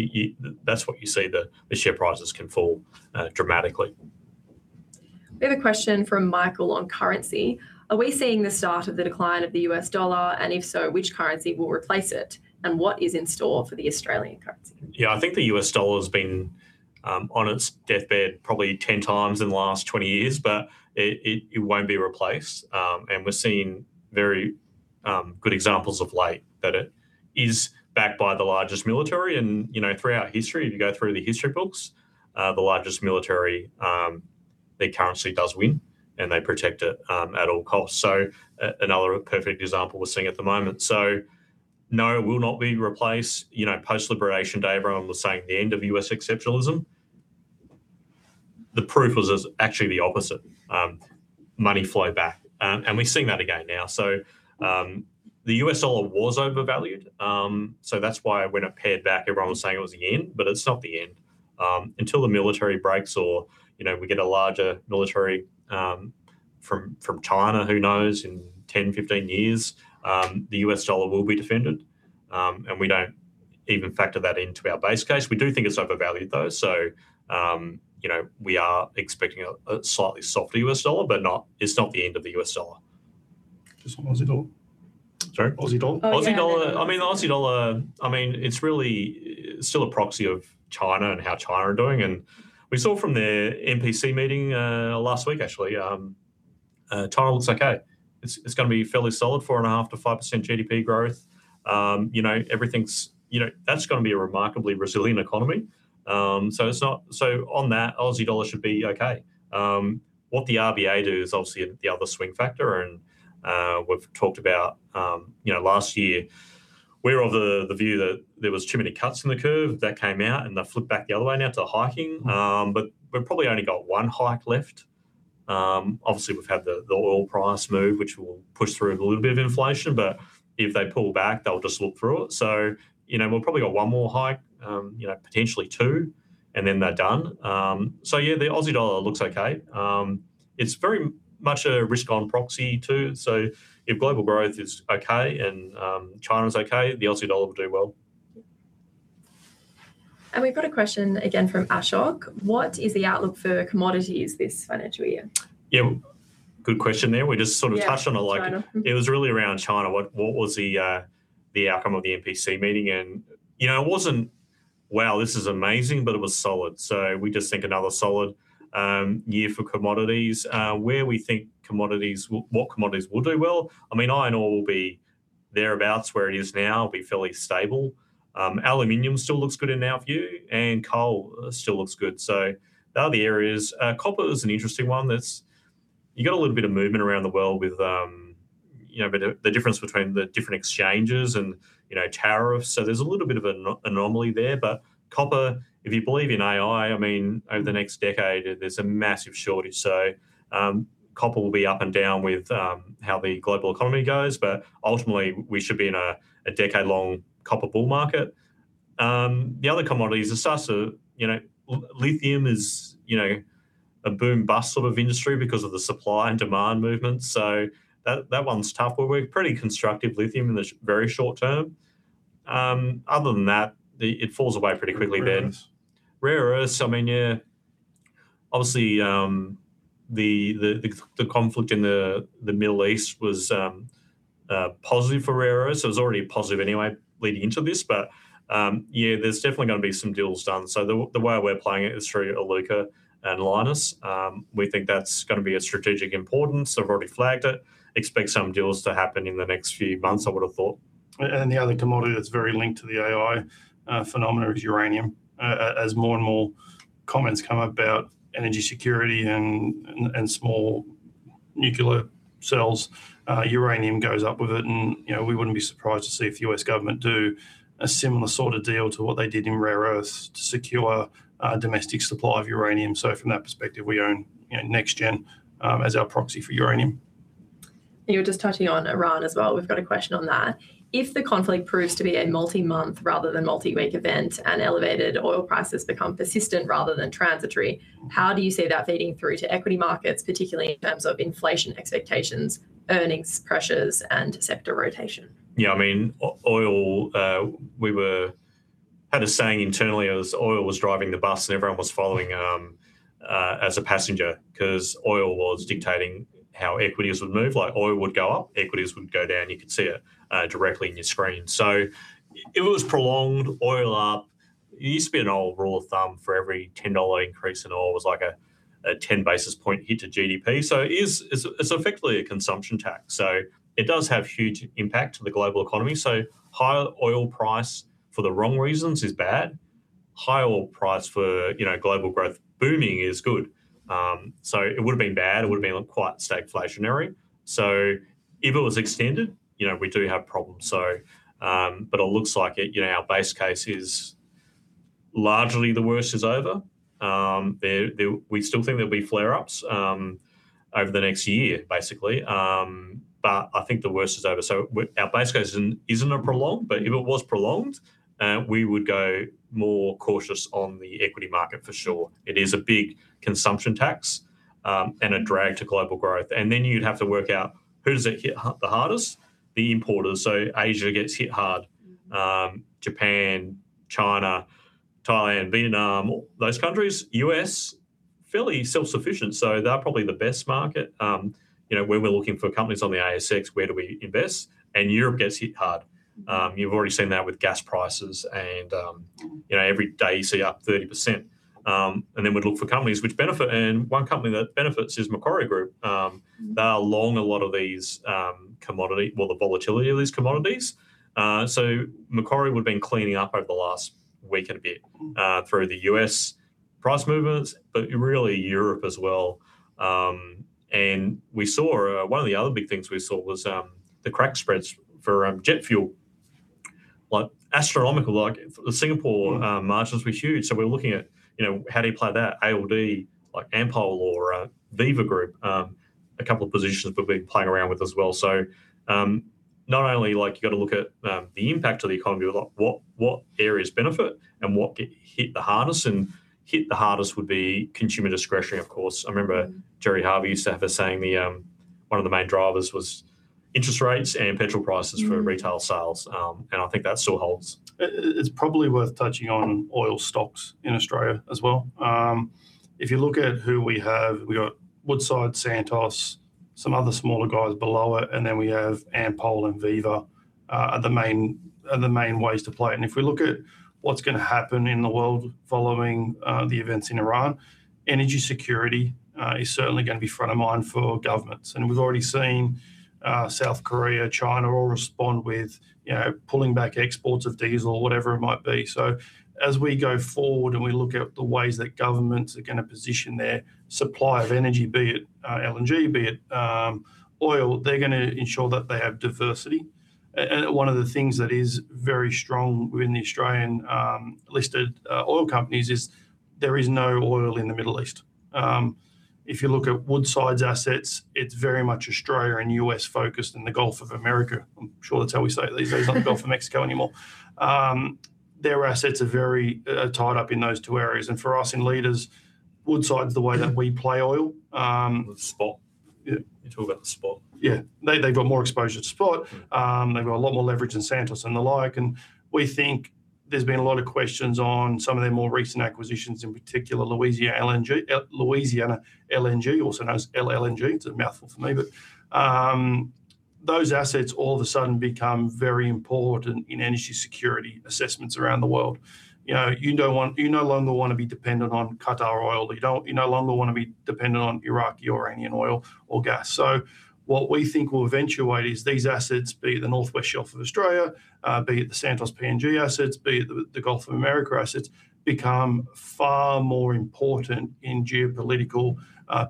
that's what you see, the share prices can fall dramatically. We have a question from Michael on currency: Are we seeing the start of the decline of the U.S. dollar? If so, which currency will replace it? What is in store for the Australian currency? Yeah, I think the U.S. dollar's been on its deathbed probably 10 times in the last 20 years, but it won't be replaced. We're seeing very good examples of late that it is backed by the largest military. You know, throughout history, if you go through the history books, the largest military, their currency does win, and they protect it at all costs. Another perfect example we're seeing at the moment. No, it will not be replaced. You know, post-Liberation Day, everyone was saying the end of U.S. exceptionalism. The proof was, is actually the opposite. Money flowed back, and we're seeing that again now. The U.S. dollar was overvalued, that's why when it paired back, everyone was saying it was the end, but it's not the end. Until the military breaks or, you know, we get a larger military, from China, who knows, in 10, 15 years, the U.S. dollar will be defended. We don't even factor that into our base case. We do think it's overvalued though. You know, we are expecting a slightly softer U.S. dollar, but it's not the end of the U.S. dollar. Just on Aussie dollar. Sorry? Aussie dollar. Oh, yeah. I mean, the Aussie dollar, I mean, it's really still a proxy of China and how China are doing. We saw from their NPC meeting last week actually, China looks okay. It's gonna be fairly solid, 4.5%-5% GDP growth. You know, everything's, you know, that's gonna be a remarkably resilient economy. On that, Aussie dollar should be okay. What the RBA do is obviously the other swing factor and we've talked about, you know, last year we're of the view that there was too many cuts in the curve that came out, and they flipped back the other way now to hiking. We've probably only got one hike left. Obviously we've had the oil price move, which will push through a little bit of inflation. If they pull back, they'll just look through it. You know, we'll probably got one more hike, you know, potentially two, and then they're done. Yeah, the Aussie dollar looks okay. It's very much a risk-on proxy too. If global growth is okay and China is okay, the Aussie dollar will do well. We've got a question again from Ashok: What is the outlook for commodities this financial year? Yeah. Good question there. We just. Yeah, China. Mm-hmm. Touched on it. Like, it was really around China. What was the outcome of the NPC meeting? You know, it wasn't, "Wow, this is amazing," but it was solid. We just think another solid year for commodities. Where we think commodities, what commodities will do well, I mean, iron ore will be thereabouts where it is now, be fairly stable. Aluminum still looks good in our view, and coal still looks good. They are the areas. Copper is an interesting one that's. You got a little bit of movement around the world with, you know, the difference between the different exchanges and, you know, tariffs, so there's a little bit of an anomaly there. Copper, if you believe in AI, I mean, over the next decade, there's a massive shortage. Copper will be up and down with how the global economy goes, but ultimately we should be in a decade-long copper bull market. The other commodities You know, lithium is, you know, a boom-bust sort of industry because of the supply and demand movement, so that one's tough. We're pretty constructive lithium in the very short-term. Other than that, it falls away pretty quickly then. Rare Earths. Rare Earths, I mean, yeah, obviously, the conflict in the Middle East was positive for Rare Earths. It was already positive anyway leading into this, but, yeah, there's definitely gonna be some deals done. The way we're playing it is through Iluka and Lynas. We think that's gonna be of strategic importance. They've already flagged it. Expect some deals to happen in the next few months, I would've thought. The other commodity that's very linked to the AI phenomena is uranium. As more and more comments come about energy security and small nuclear cells, uranium goes up with it, and, you know, we wouldn't be surprised to see if the U.S. government do a similar sort of deal to what they did in rare earths to secure a domestic supply of uranium. From that perspective, we own, you know, NextGen as our proxy for uranium. You were just touching on Iran as well. We've got a question on that. If the conflict proves to be a multi-month rather than multi-week event and elevated oil prices become persistent rather than transitory, how do you see that feeding through to equity markets, particularly in terms of inflation expectations, earnings pressures, and sector rotation? Yeah, I mean, oil, we had a saying internally it was oil was driving the bus and everyone was following as a passenger 'cause oil was dictating how equities would move. Like oil would go up, equities would go down. You could see it directly in your screen. If it was prolonged oil up. It used to be an old rule of thumb for every $10 increase in oil was like a 10 basis point hit to GDP. It is, it's effectively a consumption tax. It does have huge impact to the global economy. Higher oil price for the wrong reasons is bad. High oil price for, you know, global growth booming is good. It would've been bad, it would've been quite stagflationary. If it was extended, you know, we do have problems. It looks like, you know, our base case is largely the worst is over. We still think there'll be flare-ups over the next year basically. I think the worst is over. Our base case isn't a prolonged, but if it was prolonged, we would go more cautious on the equity market for sure. It is a big consumption tax and a drag to global growth and then you'd have to work out who does it hit the hardest, the importers. Asia gets hit hard, Japan, China, Thailand, Vietnam, those countries. U.S. fairly self-sufficient, so they're probably the best market. You know, when we're looking for companies on the ASX, where do we invest? Europe gets hit hard. You've already seen that with gas prices and, you know, every day you see up 30%. Then we'd look for companies which benefit, and one company that benefits is Macquarie Group. They're long a lot of these, well, the volatility of these commodities. Macquarie would've been cleaning up over the last week and a bit through the U.S. price movements, but really Europe as well. We saw one of the other big things we saw was the crack spreads for jet fuel, like astronomical, like the Singapore margins were huge. We're looking at, you know, how do you play that ALD like Ampol or Viva Group, a couple of positions we've been playing around with as well. Not only like you gotta look at the impact of the economy, like what areas benefit and what get hit the hardest and hit the hardest would be consumer discretionary of course. I remember Gerry Harvey used to have a saying the one of the main drivers was interest rates and petrol prices for retail sales. I think that still holds. It's probably worth touching on oil stocks in Australia as well. If you look at who we have, we've got Woodside, Santos, some other smaller guys below it, and then we have Ampol and Viva, are the main ways to play it. If we look at what's gonna happen in the world following the events in Iran, energy security is certainly gonna be front of mind for governments. We've already seen South Korea, China all respond with, you know, pulling back exports of diesel or whatever it might be. As we go forward and we look at the ways that governments are gonna position their supply of energy, be it LNG, be it oil, they're gonna ensure that they have diversity. One of the things that is very strong within the Australian listed oil companies is there is no oil in the Middle East. If you look at Woodside's assets, it's very much Australia and U.S.-focused and the Gulf of America. I'm sure that's how we say it these days, not the Gulf of Mexico anymore. Their assets are very tied up in those two areas and for us in Leaders, Woodside's the way that we play oil. The spot. Yeah. You talk about the spot. They, they've got more exposure to spot. They've got a lot more leverage than Santos and the like. We think there's been a lot of questions on some of their more recent acquisitions, in particular, Louisiana LNG, also known as LLNG. It's a mouthful for me, but those assets all of a sudden become very important in energy security assessments around the world. You know, you no longer wanna be dependent on Qatar oil. You no longer wanna be dependent on Iraqi or Iranian oil or gas. What we think will eventuate is these assets, be it the North West Shelf of Australia, be it the Santos PNG assets, be it the Gulf of America assets, become far more important in geopolitical,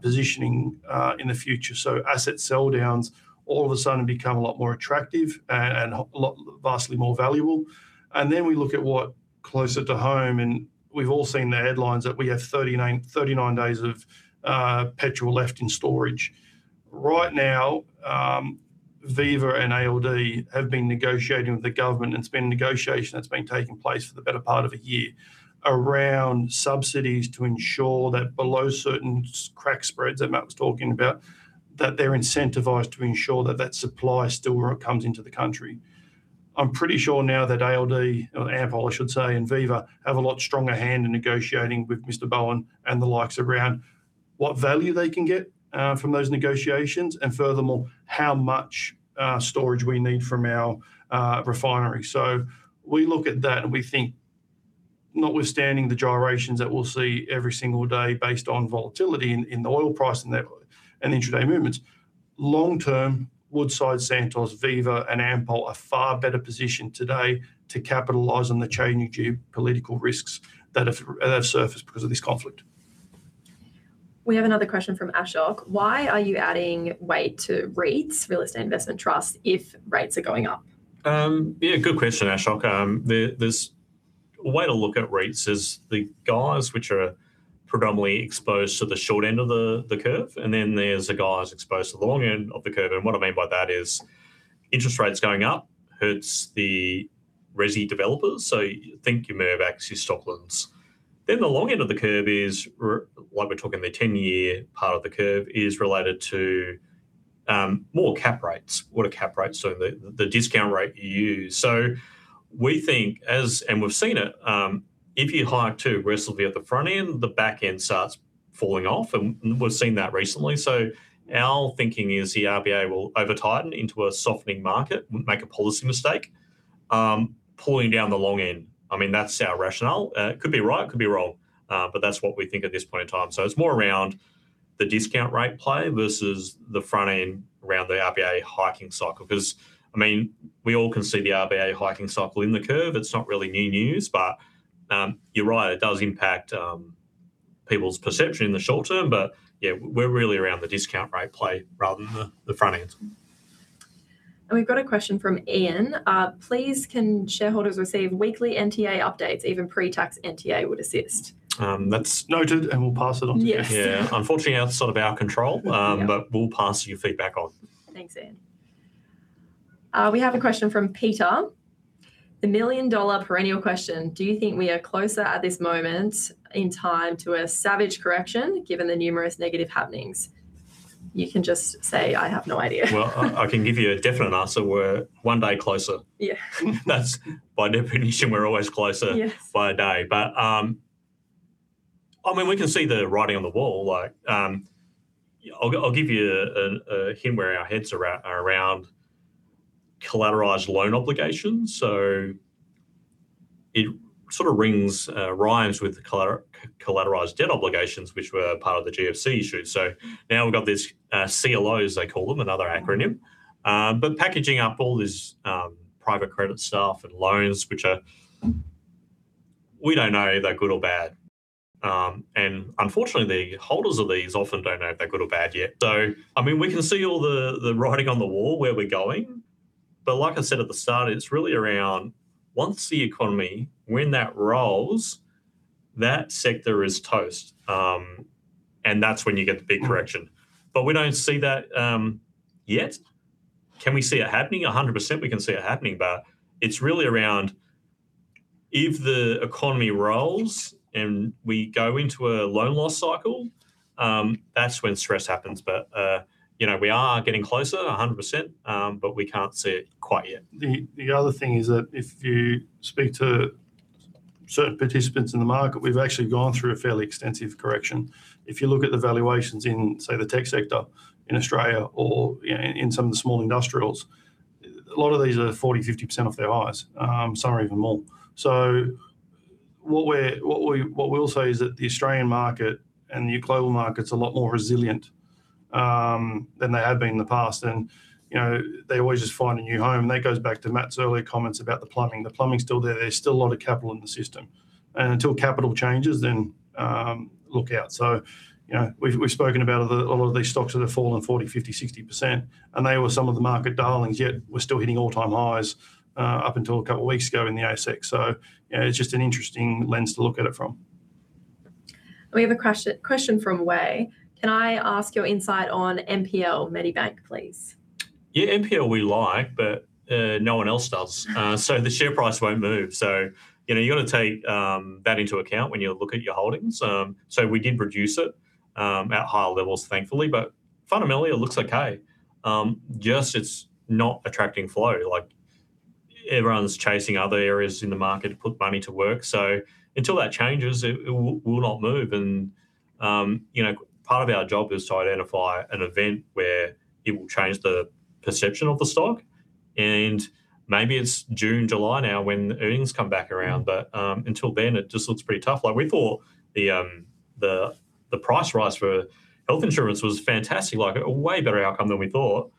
positioning, in the future. Asset sell-downs all of a sudden become a lot more attractive and a lot vastly more valuable. We look at what closer to home, and we've all seen the headlines that we have 39 days of petrol left in storage. Right now, Viva and ALD have been negotiating with the government, and it's been negotiation that's been taking place for the better part of a year around subsidies to ensure that below certain crack spreads that Matt was talking about, that they're incentivized to ensure that supply still comes into the country. I'm pretty sure now that ALD or Ampol, I should say, and Viva have a lot stronger hand in negotiating with Mr. Bowen and the likes around what value they can get from those negotiations and furthermore, how much storage we need from our refinery. We look at that and Notwithstanding the gyrations that we'll see every single day based on volatility in the oil price and the intraday movements, long-term, Woodside, Santos, Viva, and Ampol are far better positioned today to capitalize on the changing geopolitical risks that have surfaced because of this conflict. We have another question from Ashok: Why are you adding weight to REITs, real estate investment trusts, if rates are going up? Yeah, good question, Ashok. A way to look at REITs is the guys which are predominantly exposed to the short end of the curve, and then there's the guys exposed to the long end of the curve. What I mean by that is interest rates going up hurts the resi developers, so think your Mirvac, your Stockland. The long end of the curve is like, we're talking the 10-year part of the curve, is related to more cap rates. What are cap rates? The discount rate you use. We think, as and we've seen it, if you hike too aggressively at the front end, the back end starts falling off, and we've seen that recently. Our thinking is the RBA will over-tighten into a softening market, make a policy mistake, pulling down the long end. I mean, that's our rationale. It could be right, it could be wrong, but that's what we think at this point in time. It's more around the discount rate play versus the front end around the RBA hiking cycle. I mean, we all can see the RBA hiking cycle in the curve. It's not really new news, but, you're right, it does impact people's perception in the short-term. Yeah, we're really around the discount rate play rather than the front end. We've got a question from Ian: please, can shareholders receive weekly NTA updates? Even pre-tax NTA would assist. That's noted, and we'll pass it on. Yes. Yeah. Unfortunately, out sort of our control. Yeah We'll pass your feedback on. Thanks, John. We have a question from Peter: The million-dollar perennial question, do you think we are closer at this moment in time to a savage correction, given the numerous negative happenings? You can just say, "I have no idea. Well, I can give you a definite answer. We're one day closer. Yeah. That's, by definition, we're always. Yes By a day. I mean, we can see the writing on the wall. I'll give you a hint where our heads are around collateralized loan obligations. It sort of rings, rhymes with the collateralized debt obligations, which were part of the GFC issue. Now we've got this, CLOs, they call them, another acronym. Packaging up all this private credit stuff and loans, which are... We don't know if they're good or bad. Unfortunately, the holders of these often don't know if they're good or bad yet. I mean, we can see all the writing on the wall, where we're going, but like I said at the start, it's really around once the economy, when that rolls, that sector is toast. That's when you get the big correction. We don't see that yet. Can we see it happening? 100% we can see it happening, but it's really around if the economy rolls, and we go into a loan loss cycle, that's when stress happens. You know, we are getting closer, 100%, but we can't see it quite yet. The other thing is that if you speak to certain participants in the market, we've actually gone through a fairly extensive correction. If you look at the valuations in, say, the tech sector in Australia or, you know, in some of the small industrials, a lot of these are 40%-50% off their highs, some are even more. What we'll say is that the Australian market and the global market's a lot more resilient than they have been in the past and, you know, they always just find a new home. That goes back to Matt's earlier comments about the plumbing. The plumbing's still there. There's still a lot of capital in the system, and until capital changes, then, look out. You know, we've spoken about a lot of these stocks that have fallen 40%, 50%, 60%, and they were some of the market darlings, yet we're still hitting all-time highs up until a couple of weeks ago in the ASX. You know, it's just an interesting lens to look at it from. We have a question from Wei: Can I ask your insight on MPL Medibank, please? MPL we like, but no one else does. The share price won't move. You know, you gotta take that into account when you look at your holdings. We did reduce it at higher levels thankfully, but fundamentally it looks okay. Just it's not attracting flow. Like, everyone's chasing other areas in the market to put money to work. Until that changes, it will not move. You know, part of our job is to identify an event where it will change the perception of the stock, maybe it's June, July now when earnings come back around. Until then, it just looks pretty tough. Like, we thought the price rise for health insurance was fantastic, like a way better outcome than we thought.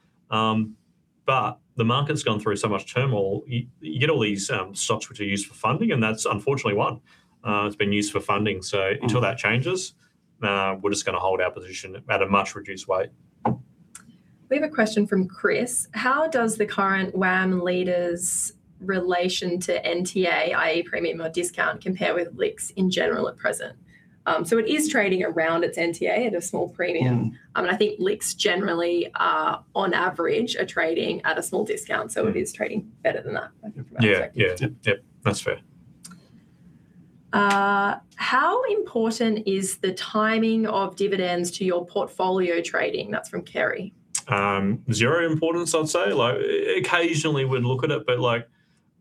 The market's gone through so much turmoil. You get all these, stocks which are used for funding, and that's unfortunately one, that's been used for funding. Until that changes, we're just gonna hold our position at a much reduced weight. We have a question from Chris: How does the current WAM Leaders' relation to NTA, i.e. premium or discount, compare with LICs in general at present? It is trading around its NTA at a small premium. Mm. I think LICs generally are, on average, trading at a small discount. Mm So it is trading better than that, I think, for that sector. Yeah, yeah. Yep. Yep, that's fair. How important is the timing of dividends to your portfolio trading? That's from Kerry. Zero importance, I'd say. Like, occasionally we'd look at it, but, like,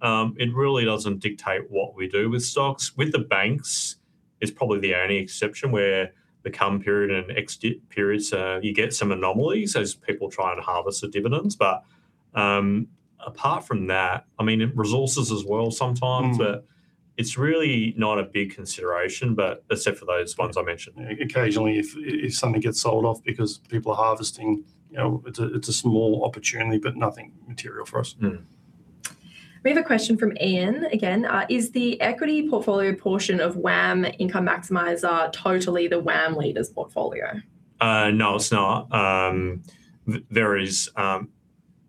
it really doesn't dictate what we do with stocks. It's probably the only exception where the cum period and ex-dividend periods, you get some anomalies as people try to harvest the dividends. Apart from that, I mean, resources as well sometimes... Mm It's really not a big consideration, but except for those ones I mentioned. Occasionally, if something gets sold off because people are harvesting, you know, it's a small opportunity, but nothing material for us. Mm. We have a question from Ian again, "Is the equity portfolio portion of WAM Income Maximiser totally the WAM Leaders portfolio? No, it's not.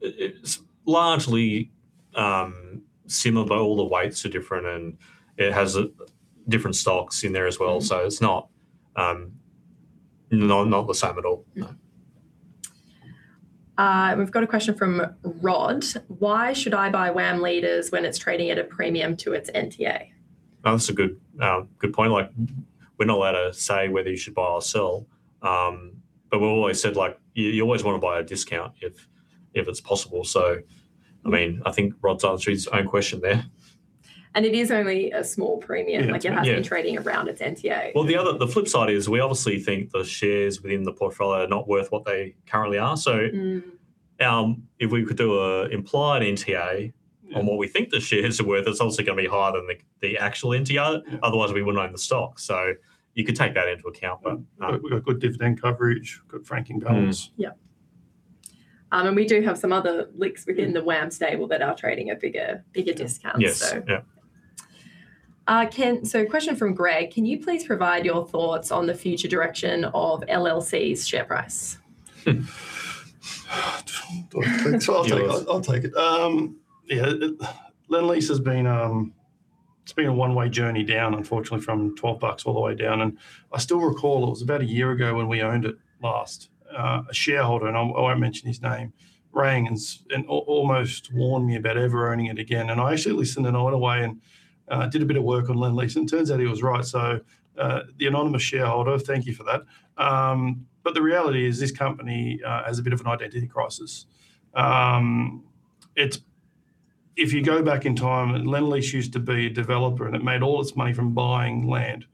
It's largely similar, but all the weights are different, and it has different stocks in there as well. Mm. It's not, no, not the same at all. No. We've got a question from Rod, "Why should I buy WAM Leaders when it's trading at a premium to its NTA? That's a good point. Like, we're not allowed to say whether you should buy or sell, but we've always said, like, you always wanna buy a discount if it's possible. I mean. Mm I think Rod's answered his own question there. It is only a small premium. It, yeah. Like it has been trading around its NTA. Well, the flip side is we obviously think the shares within the portfolio are not worth what they currently are. Mm If we could do a implied NTA. Mm On what we think the shares are worth, it's obviously gonna be higher than the actual NTA. Yeah. Otherwise, we wouldn't own the stock. You could take that into account, but no. We've got good dividend coverage, good franking credits. Mm. We do have some other LICs within the WAM stable that are trading at bigger discounts. Yes. Yeah. A question from Greg, "Can you please provide your thoughts on the future direction of LLC's share price? Do I take this? You want it. I'll take it. I'll take it. Yeah, Lendlease has been, it's been a one-way journey down, unfortunately, from 12 bucks all the way down. I still recall, it was about a year ago when we owned it last, a shareholder, and I won't mention his name, rang and almost warned me about ever owning it again. I actually listened, and I went away and did a bit of work on Lendlease, and it turns out he was right. The anonymous shareholder, thank you for that. The reality is this company has a bit of an identity crisis. It's. If you go back in time, Lendlease used to be a developer, and it made all its money from buying land.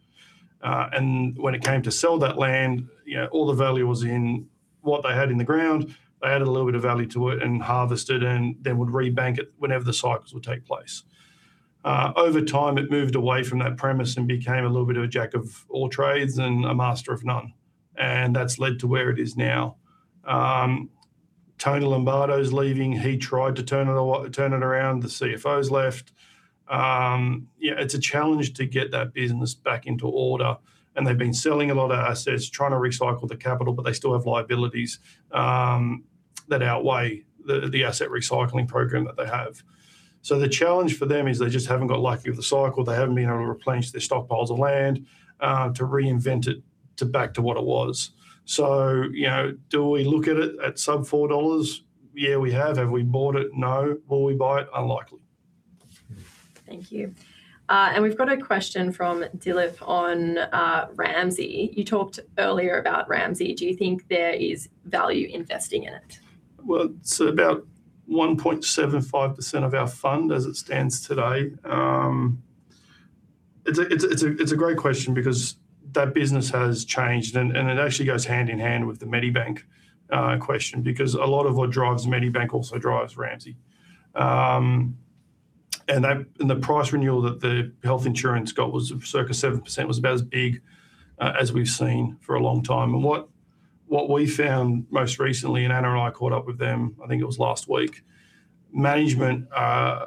When it came to sell that land, you know, all the value was in what they had in the ground. They added a little bit of value to it, and harvested it, and then would rebank it whenever the cycles would take place. Over time, it moved away from that premise and became a little bit of a jack of all trades and a master of none. That's led to where it is now. Tony Lombardo's leaving. He tried to turn it around. The CFO's left. Yeah, it's a challenge to get that business back into order. They've been selling a lot of assets, trying to recycle the capital, but they still have liabilities that outweigh the asset recycling program that they have. The challenge for them is they just haven't got lucky with the cycle. They haven't been able to replenish their stockpiles of land, to reinvent it to back to what it was. You know, do we look at it at sub $4? Yeah, we have. Have we bought it? No. Will we buy it? Unlikely. Mm. Thank you. We've got a question from Dilip on Ramsay. You talked earlier about Ramsay. Do you think there is value investing in it? Well, it's about 1.75% of our fund as it stands today. It's a great question because that business has changed, and it actually goes hand-in-hand with the Medibank question, because a lot of what drives Medibank also drives Ramsay. The price renewal that the health insurance got was circa 7%, was about as big as we've seen for a long time. What we found most recently, and Anna and I caught up with them, I think it was last week, management are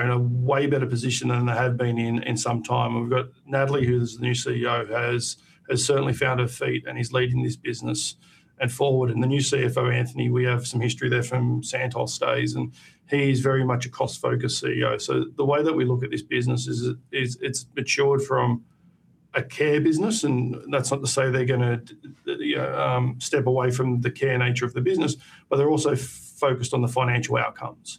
in a way better position than they have been in some time. We've got Natalie, who's the new CEO, has certainly found her feet and is leading this business and forward. The new CFO, Anthony, we have some history there from Santos days, and he's very much a cost-focused CEO. The way that we look at this business is it's matured from a care business, and that's not to say they're gonna step away from the care nature of the business, but they're also focused on the financial outcomes.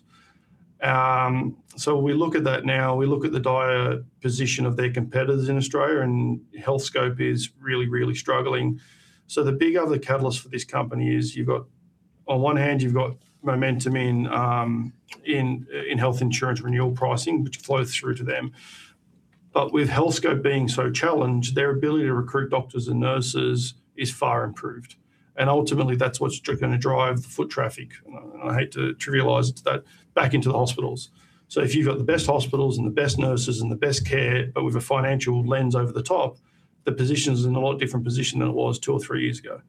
We look at that now, we look at the dire position of their competitors in Australia, and Healthscope is really, really struggling. The big other catalyst for this company is you've got on one hand, you've got momentum in health insurance renewal pricing, which flows through to them. With Healthscope being so challenged, their ability to recruit doctors and nurses is far improved, and ultimately that's what's gonna drive the foot traffic, and I hate to trivialize it to that, back into the hospitals. If you've got the best hospitals, and the best nurses, and the best care, but with a financial lens over the top, the position's in a lot different position than it was two or three years ago.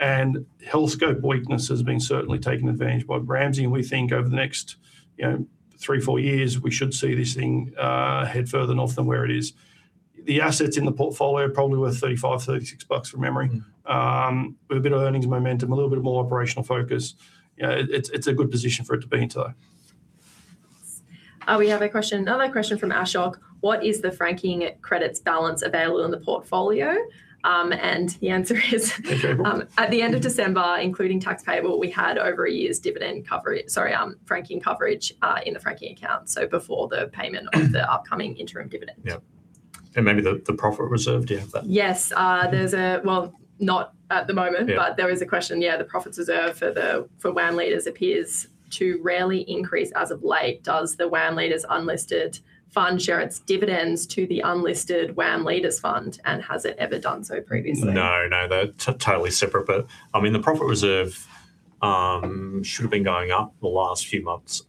Healthscope weakness has been certainly taken advantage by Ramsay, and we think over the next, you know, three, four years, we should see this thing head further north than where it is. The assets in the portfolio are probably worth 35, 36 bucks from memory. Mm. With a bit of earnings momentum, a little bit more operational focus, you know, it's a good position for it to be in today. We have a question, another question from Ashok, "What is the franking credits balance available in the portfolio?" The answer is - April at the end of December, including tax payable, we had over a year's dividend coverage, sorry, franking coverage, in the franking account, so before the payment of the upcoming interim dividend. Yep. Maybe the profit reserve, yeah, but... Yes. Well, not at the moment. Yeah There is a question, yeah, the profits reserve for WAM Leaders appears to rarely increase as of late. Does the WAM Leaders unlisted fund share its dividends to the unlisted WAM Leaders fund, has it ever done so previously? No, they're totally separate. I mean, the profit reserve should've been going up the last few months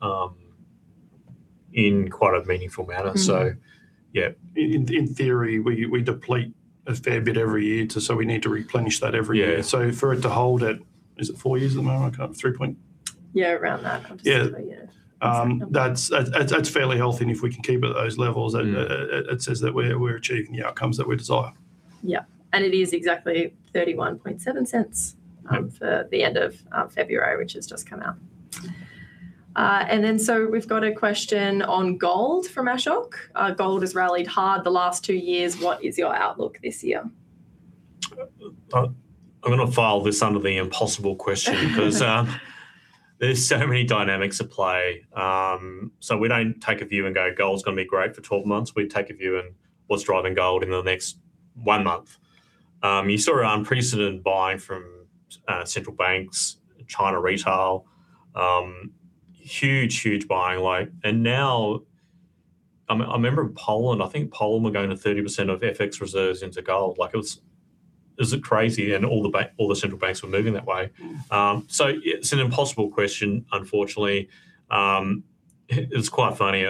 in quite a meaningful manner. Mm-hmm. Yeah. In theory, we deplete a fair bit every year too, so we need to replenish that every year. Yeah. For it to hold at, is it four years at the moment? Yeah, around that. Yeah. Absolutely, yeah. That's fairly healthy, and if we can keep at those levels. Yeah It says that we're achieving the outcomes that we desire. Yeah. It is exactly 0.317. Mm For the end of February, which has just come out. We've got a question on gold from Ashok. "Gold has rallied hard the last two years. What is your outlook this year? I'm gonna file this under the impossible question. Because there's so many dynamics at play. We don't take a view and go, "Gold's gonna be great for 12 months." We take a view in what's driving gold in the next one month. You saw unprecedented buying from central banks, China retail, huge buying, and now, I remember Poland, I think Poland were going to 30% of FX reserves into gold. Like it was crazy, and all the central banks were moving that way. Mm. It's an impossible question unfortunately. It's quite funny,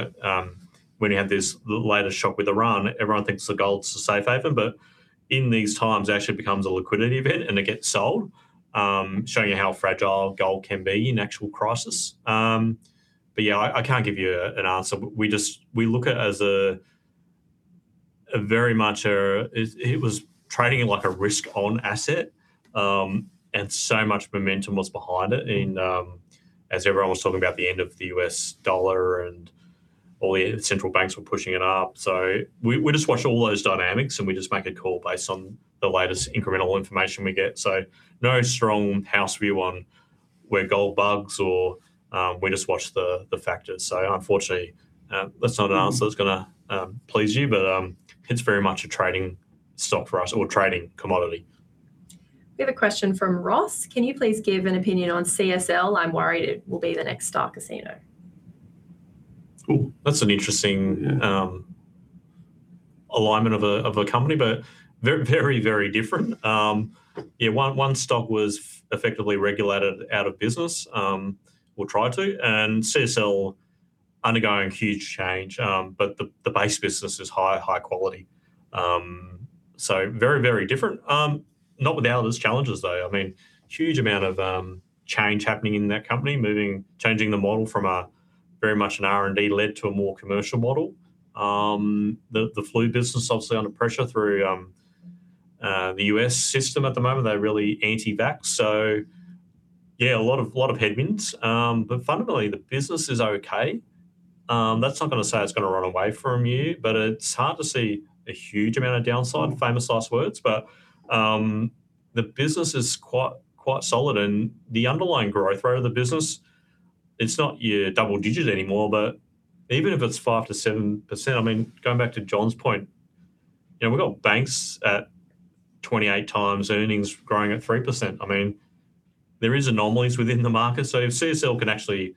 when you had this, the latest shock with Iran, everyone thinks the gold's a safe haven. In these times it actually becomes a liquidity event, and it gets sold, showing you how fragile gold can be in actual crisis. Yeah, I can't give you an answer. We look at it as a very much a, it was trading in like a risk-on asset. So much momentum was behind it in... As everyone was talking about the end of the U.S. dollar, and all the central banks were pushing it up. We just watch all those dynamics, and we just make a call based on the latest incremental information we get. No strong house view on we're gold bugs or, we just watch the factors. Unfortunately, that's not an answer that's gonna please you, but, it's very much a trading stock for us, or a trading commodity. We have a question from Ross, "Can you please give an opinion on CSL? I'm worried it will be the next Star Casino. Ooh, that's an interesting- Yeah alignment of a, of a company, but very, very different. Yeah, one stock was effectively regulated out of business, or tried to, and CSL undergoing huge change. The base business is high quality. Very, very different. Not without its challenges though. I mean, huge amount of change happening in that company, moving, changing the model from a, very much an R&D led to a more commercial model. The flu business obviously under pressure through the U.S. system at the moment. They're really anti-vax. Yeah, a lot of headwinds. Fundamentally the business is okay. That's not gonna say it's gonna run away from you, but it's hard to see a huge amount of downside. Famous last words. The business is quite solid. The underlying growth rate of the business, it's not your double digits anymore. Even if it's 5%-7%, I mean, going back to John's point, you know, we've got banks at 28 times earnings growing at 3%. I mean, there are anomalies within the market. If CSL can actually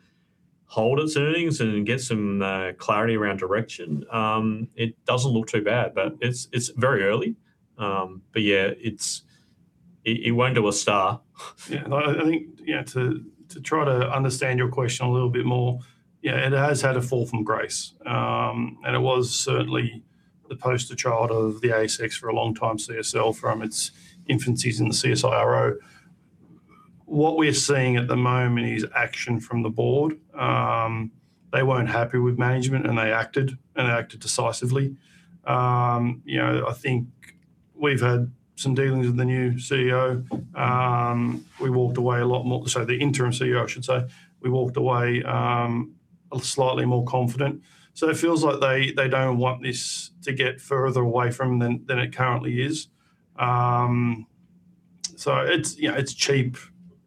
hold its earnings and get some clarity around direction, it doesn't look too bad. It's very early. Yeah, it won't do a Star. Yeah. No, I think, you know, to try to understand your question a little bit more, you know, it has had a fall from grace. It was certainly the poster child of the ASX for a long time, CSL, from its infancies in the CSIRO. What we're seeing at the moment is action from the board. They weren't happy with management, and they acted decisively. You know, I think we've had some dealings with the new CEO, sorry, the interim CEO, I should say. We walked away slightly more confident. It feels like they don't want this to get further away from than it currently is. You know, it's cheap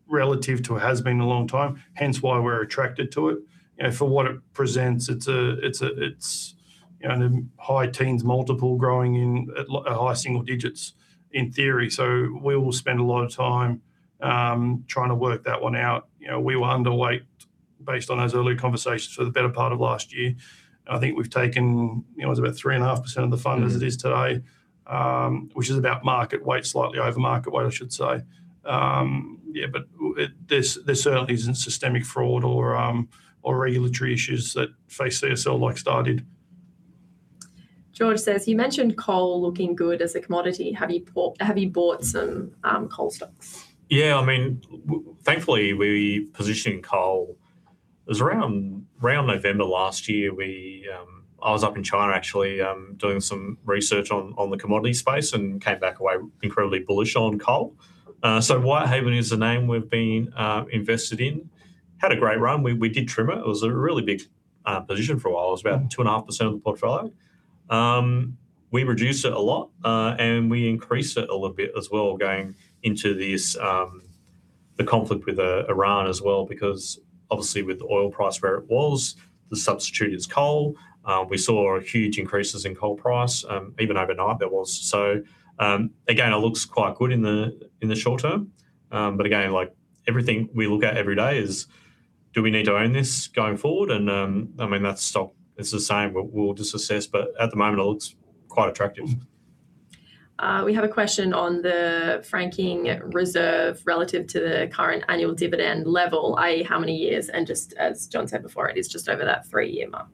relative to it has been a long time, hence why we're attracted to it. You know, for what it presents, it's, you know, in high teens multiple growing in, at high single digits in theory. We will spend a lot of time, trying to work that one out. You know, we were underweight based on those early conversations for the better part of last year, I think we've taken, you know, it's about 3.5% of the fund- Mm as it is today. Which is about market weight, slightly over market weight, I should say. This certainly isn't systemic fraud or regulatory issues that face CSL like Star did. You mentioned coal looking good as a commodity. Have you bought some coal stocks? Yeah, I mean, thankfully we positioned coal. It was around November last year, we, I was up in China actually, doing some research on the commodity space, and came back away incredibly bullish on coal. Whitehaven is the name we've been invested in. Had a great run. We did trim it. It was a really big position for a while. It was about 2.5% of the portfolio. We reduced it a lot, and we increased it a little bit as well going into this, The conflict with Iran as well, because obviously with the oil price where it was, the substitute is coal. We saw huge increases in coal price, even overnight there was. Again, it looks quite good in the short-term. Again, like everything we look at every day is do we need to own this going forward? I mean, that stock is the same, but we'll just assess, but at the moment it looks quite attractive. We have a question on the franking reserve relative to the current annual dividend level, i.e. how many years? Just as John said before, it is just over that three-year mark.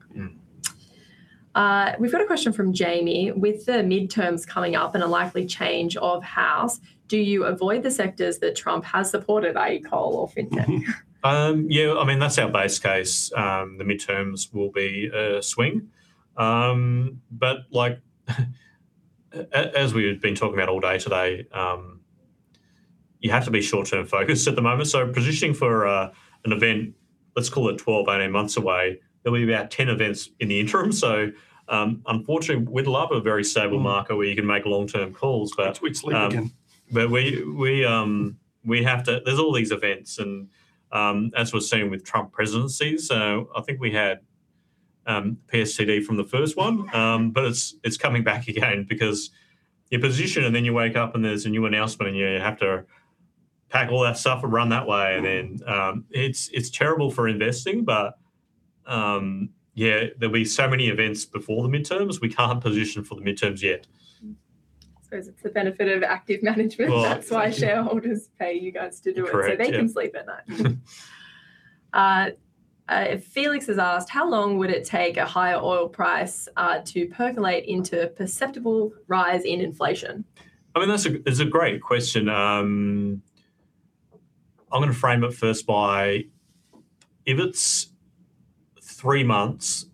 Mm. We've got a question from Jamie: With the midterms coming up and a likely change of House, do you avoid the sectors that Trump has supported, i.e. coal or fintech? Yeah, I mean, that's our base case. The midterms will be a swing. Like as we have been talking about all day today, you have to be short-term focused at the moment. Positioning for an event, let's call it 12, 18 months away, there'll be about 10 events in the interim. Unfortunately, we'd love a very stable market where you can make long-term calls, but Which we'd sleep again. But we have to. There's all these events and as we've seen with Trump presidency, so I think we had PSTD from the first one. It's coming back again because you position and then you wake up and there's a new announcement and you have to pack all that stuff and run that way. It's terrible for investing, but, yeah, there'll be so many events before the midterms. We can't position for the midterms yet. I suppose it's the benefit of active management. Well, yeah. That's why shareholders pay you guys to do it. Correct. Yeah. so they can sleep at night. Felix has asked: How long would it take a higher oil price to percolate into a perceptible rise in inflation? I mean, that's a, it's a great question. I'm gonna frame it first by if it's three months,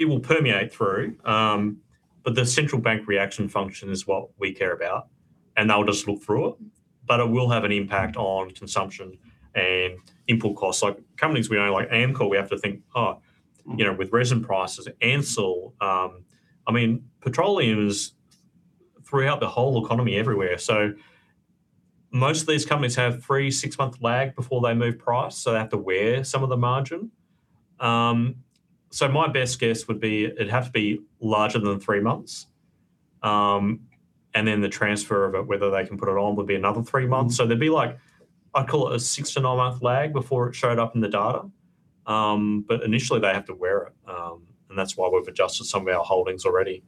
it will permeate through, but the central bank reaction function is what we care about, and they'll just look through it. It will have an impact on consumption and input costs. Like companies we own, like Amcor, we have to think, "Oh, you know, with resin prices, Ansell," I mean, petroleum is throughout the whole economy everywhere. Most of these companies have three, six-month lag before they move price, so they have to wear some of the margin. My best guess would be it'd have to be larger than three months. Then the transfer of it, whether they can put it on, would be another three months. There'd be like, I'd call it a six- to nine-month lag before it showed up in the data. Initially they have to wear it, and that's why we've adjusted some of our holdings already.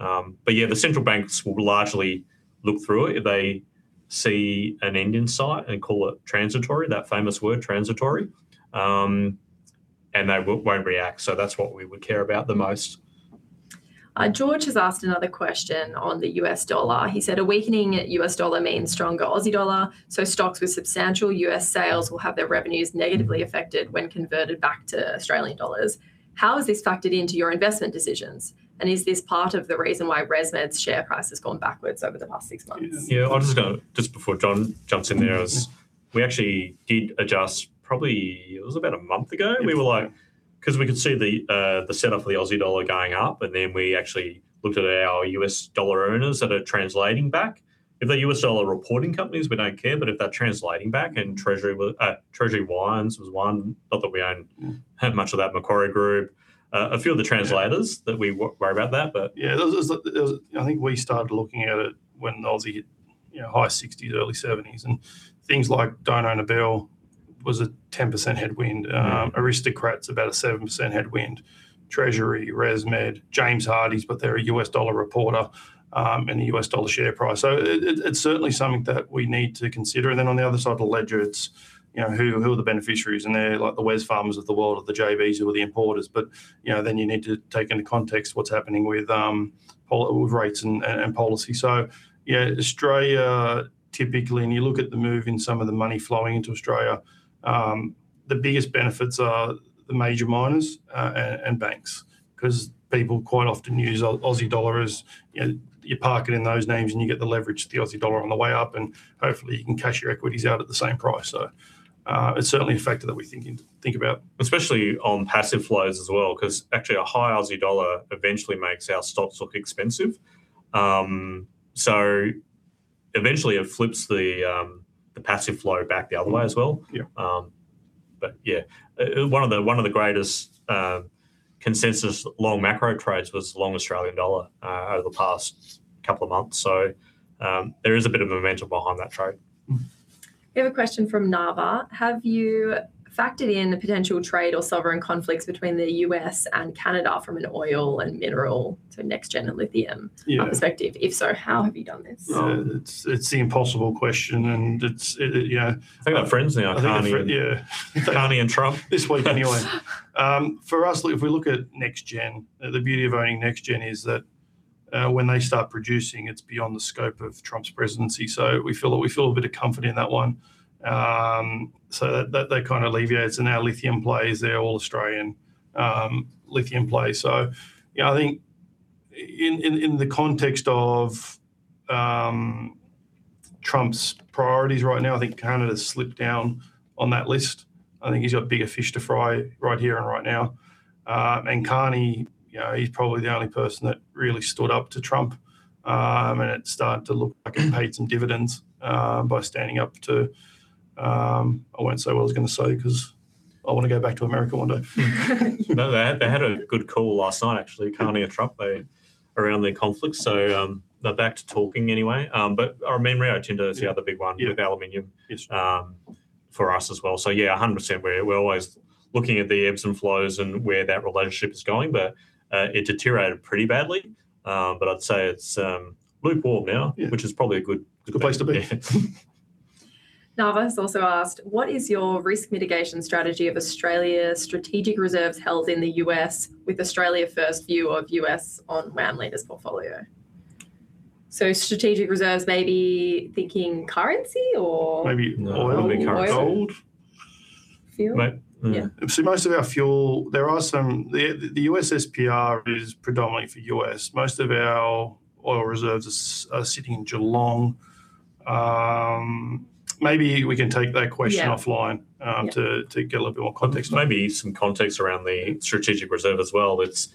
Yeah, the central banks will largely look through it. They see an end in sight and call it transitory, that famous word, transitory, and they won't react. That's what we would care about the most. George has asked another question on the U.S. dollar. He said: A weakening U.S. dollar means stronger Aussie dollar, so stocks with substantial U.S. sales will have their revenues negatively affected when converted back to Australian dollars. How is this factored into your investment decisions, and is this part of the reason why ResMed's share price has gone backwards over the past six months? Yeah, I'll just go, just before John jumps in there, is we actually did adjust probably it was about one month ago. Yes. We were like, 'cause we could see the setup of the Aussie dollar going up, and then we actually looked at our U.S. Dollar earners that are translating back. If they're U.S. dollar reporting companies, we don't care. If they're translating back, and Treasury Wines was one. Not that we own, have much of that Macquarie Group. A few of the translators that we worry about that. It was, I think we started looking at it when the Aussie hit, you know, high 60s, early 70s, and things like Don't Own a Bill was a 10% headwind. Aristocrat's about a 7% headwind. Treasury, ResMed, James Hardie, but they're a U.S. dollar reporter, and a U.S. dollar share price. It's certainly something that we need to consider. On the other side of the ledger, it's, you know, who are the beneficiaries? They're like the Wesfarmers of the world or the JVs or the importers. You know, then you need to take into context what's happening with rates and policy. Yeah, Australia typically, and you look at the move in some of the money flowing into Australia, the biggest benefits are the major miners and banks. 'Cause people quite often use Aussie dollar as, you know, you park it in those names, and you get the leverage of the Aussie dollar on the way up, and hopefully you can cash your equities out at the same price. It's certainly a factor that we think about, especially on passive flows as well, 'cause actually a high Aussie dollar eventually makes our stocks look expensive. Eventually it flips the passive flow back the other way as well. One of the greatest consensus long macro trades was the long Australian dollar over the past couple of months. There is a bit of momentum behind that trade. We have a question from Nava: Have you factored in the potential trade or sovereign conflicts between the U.S. and Canada from an oil and mineral to NextGen and Lithium-? Yeah perspective? If so, how have you done this? It's the impossible question, it's, you know. They've got friends now, Carney and Trump this week anyway. For us, if we look at NextGen, the beauty of owning NextGen is that when they start producing, it's beyond the scope of Trump's presidency. We feel a bit of comfort in that one. That kind of alleviates. Our lithium plays, they're all Australian lithium plays. You know, I think in the context of Trump's priorities right now, I think Canada's slipped down on that list. I think he's got bigger fish to fry right here and right now. Carney, you know, he's probably the only person that really stood up to Trump, and it's starting to look like it paid some dividends by standing up to... I won't say what I was gonna say 'cause I wanna go back to America one day. They had a good call last night actually, Carney and Trump. Around their conflict, they're back to talking anyway. I mean Rio Tinto is the other big one. Yeah with aluminum- Yes for us as well. 100%, we're always looking at the ebbs and flows and where that relationship is going. It deteriorated pretty badly, but I'd say it's lukewarm now. Yeah Which is probably a good place. Good place to be. Yeah. Nava has also asked, "What is your risk mitigation strategy of Australia's strategic reserves held in the U.S. with Australia first view of U.S. on WAM Leaders portfolio?" Strategic reserves may be thinking currency or- Maybe oil. No, it'll be currency. Gold. Fuel? Right. Yeah. Most of our fuel, there are some. The U.S. SPR is predominantly for U.S., most of our oil reserves are sitting in Geelong. Maybe we can take that question. Yeah offline. Yeah to get a little bit more context. Maybe some context around the strategic reserve as well. It's,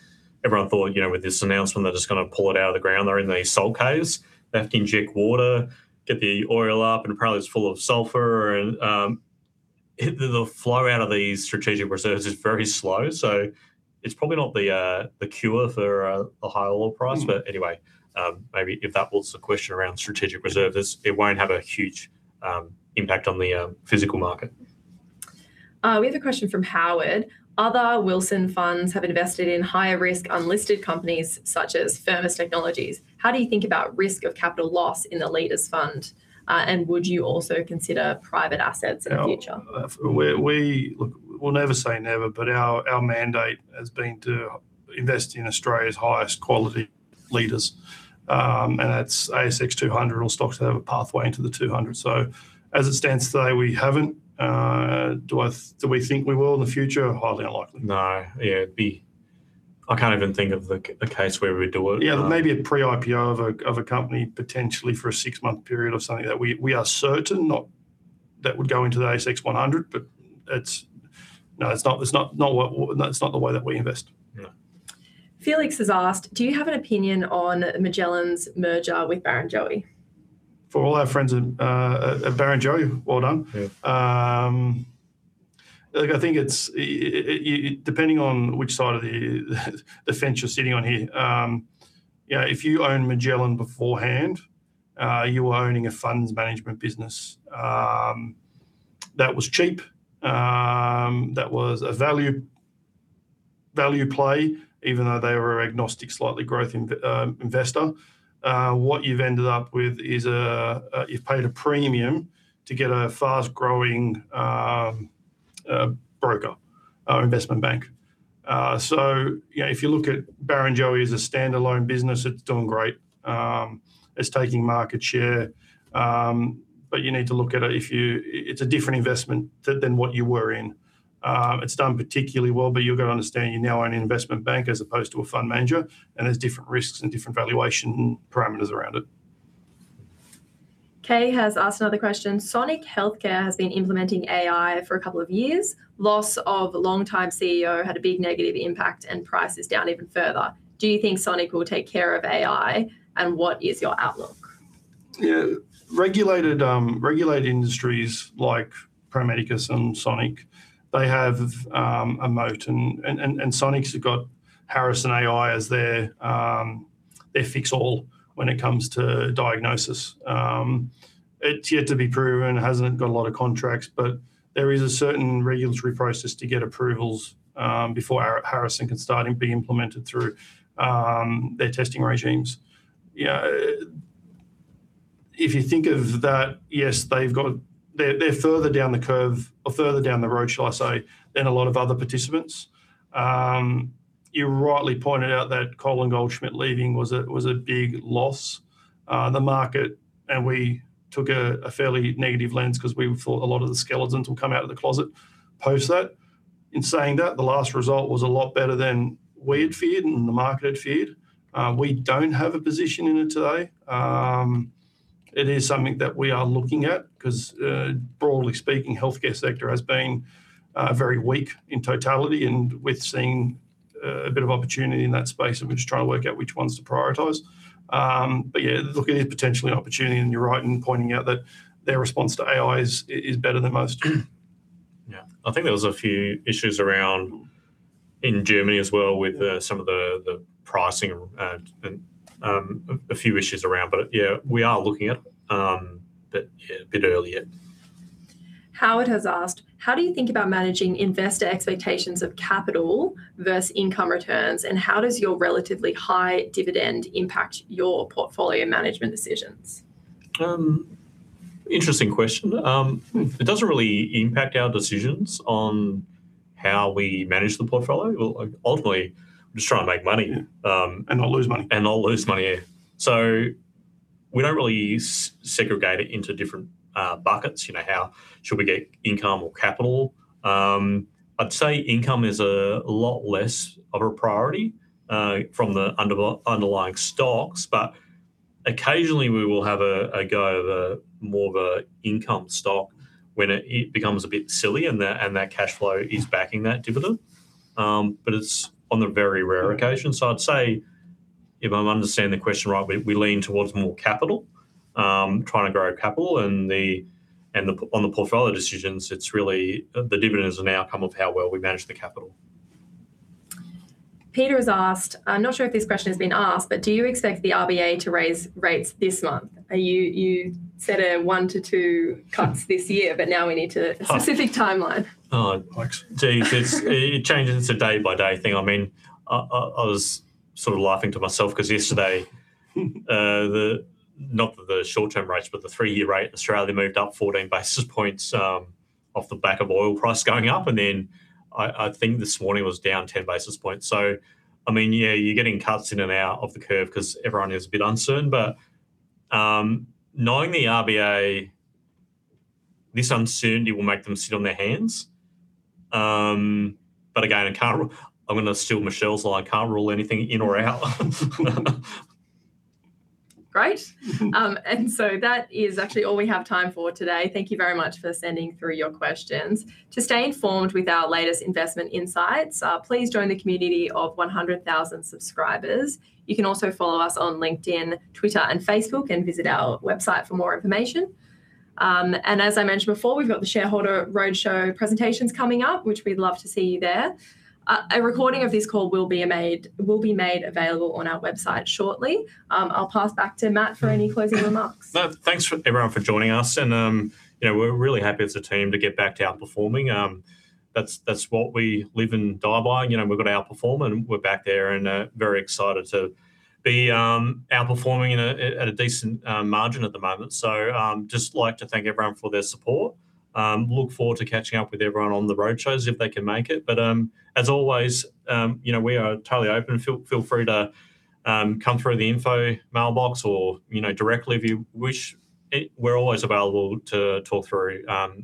everyone thought, you know, with this announcement they're just gonna pull it out of the ground. They're in these salt caves. They have to inject water, get the oil up, and apparently it's full of sulfur and, the flow out of these strategic reserves is very slow. It's probably not the cure for a high oil price. Mm. Anyway, maybe if that was the question around strategic reserves, it's, it won't have a huge impact on the physical market. We have a question from Howard, "Other Wilson funds have invested in higher risk unlisted companies such as Firmus Technologies. How do you think about risk of capital loss in the Leaders fund? Would you also consider private assets in the future? We Look, we'll never say never, but our mandate has been to invest in Australia's highest quality leaders. That's ASX 200 or stocks that have a pathway into the 200. As it stands today, we haven't. Do we think we will in the future? Highly unlikely. No. Yeah, it'd be. I can't even think of a case where we'd do it. Yeah. There may be a pre-IPO of a company potentially for a six-month period or something that we are certain, that would go into the ASX 100, it's not what. It's not the way that we invest. No. Felix has asked, "Do you have an opinion on Magellan's merger with Barrenjoey? For all our friends at Barrenjoey, well done. Yeah. Look, I think it's depending on which side of the fence you're sitting on here, you know, if you owned Magellan beforehand, you were owning a funds management business, that was cheap, that was a value play even though they were agnostic, slightly growth investor. What you've ended up with is you've paid a premium to get a fast-growing broker or investment bank. You know, if you look at Barrenjoey as a standalone business, it's doing great. It's taking market share. You need to look at it's a different investment than what you were in. It's done particularly well, but you've got to understand you now own an investment bank as opposed to a fund manager, and there's different risks and different valuation parameters around it. Kay has asked another question, "Sonic Healthcare has been implementing AI for a couple of years. Loss of longtime CEO had a big negative impact and price is down even further. Do you think Sonic will take care of AI, and what is your outlook? Yeah. Regulated industries like Pro Medicus and Sonic, they have a moat, and Sonic's got Harrison AI as their fix-all when it comes to diagnosis. It's yet to be proven, hasn't got a lot of contracts, but there is a certain regulatory process to get approvals before Harrison can start and be implemented through their testing regimes. You know, if you think of that, yes, they've got. They're further down the curve or further down the road, shall I say, than a lot of other participants. You rightly pointed out that Colin Goldschmidt leaving was a big loss to the market, and we took a fairly negative lens 'cause we thought a lot of the skeletons will come out of the closet post that. In saying that, the last result was a lot better than we had feared and the market had feared. We don't have a position in it today. It is something that we are looking at 'cause broadly speaking, healthcare sector has been very weak in totality, and we're seeing a bit of opportunity in that space and we're just trying to work out which ones to prioritize. Yeah, look, it is potentially an opportunity, and you're right in pointing out that their response to AI is better than most. Yeah. I think there was a few issues around in Germany as well with some of the pricing and a few issues around. Yeah, we are looking at it, but yeah, a bit early yet. Howard has asked, "How do you think about managing investor expectations of capital versus income returns, and how does your relatively high dividend impact your portfolio management decisions? Interesting question. It doesn't really impact our decisions on how we manage the portfolio. Well, ultimately, we're just trying to make money. Yeah. Um- Not lose money. Not lose money, yeah. We don't really segregate it into different buckets, you know, how, should we get income or capital? I'd say income is a lot less of a priority from the underlying stocks. Occasionally we will have a go of a more of a income stock when it becomes a bit silly and that cash flow is backing that dividend. It's on the very rare occasion. I'd say if I understand the question right, we lean towards more capital, trying to grow capital and the on the portfolio decisions, it's really the dividend is an outcome of how well we manage the capital. Peter has asked, "I'm not sure if this question has been asked, but do you expect the RBA to raise rates this month?" You said, one to two cuts this year. Now we need to- Oh a specific timeline. Oh, geez. It changes. It's a day-by-day thing. I mean, I was sort of laughing to myself 'cause yesterday, not the short-term rates, but the three-year rate in Australia moved up 14 basis points off the back of oil price going up. I think this morning it was down 10 basis points. I mean, yeah, you're getting cuts in and out of the curve 'cause everyone is a bit uncertain. Knowing the RBA, this uncertainty will make them sit on their hands. Again, I'm gonna steal Michelle's line, I can't rule anything in or out. Great. That is actually all we have time for today. Thank you very much for sending through your questions. To stay informed with our latest investment insights, please join the community of 100,000 subscribers. You can also follow us on LinkedIn, Twitter, and Facebook, and visit our website for more information. As I mentioned before, we've got the Shareholder Roadshow presentations coming up, which we'd love to see you there. A recording of this call will be made available on our website shortly. I'll pass back to Matt for any closing remarks. Well, thanks for everyone for joining us and, you know, we're really happy as a team to get back to outperforming. That's, that's what we live and die by. You know, we've gotta outperform, and we're back there and very excited to be outperforming at a decent margin at the moment. Just like to thank everyone for their support. Look forward to catching up with everyone on the roadshows if they can make it. As always, you know, we are totally open. Feel free to come through the info mailbox or, you know, directly if you wish. We're always available to talk through,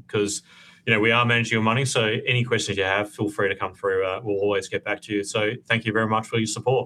'cause, you know, we are managing your money, so any questions you have, feel free to come through. We'll always get back to you. Thank you very much for your support.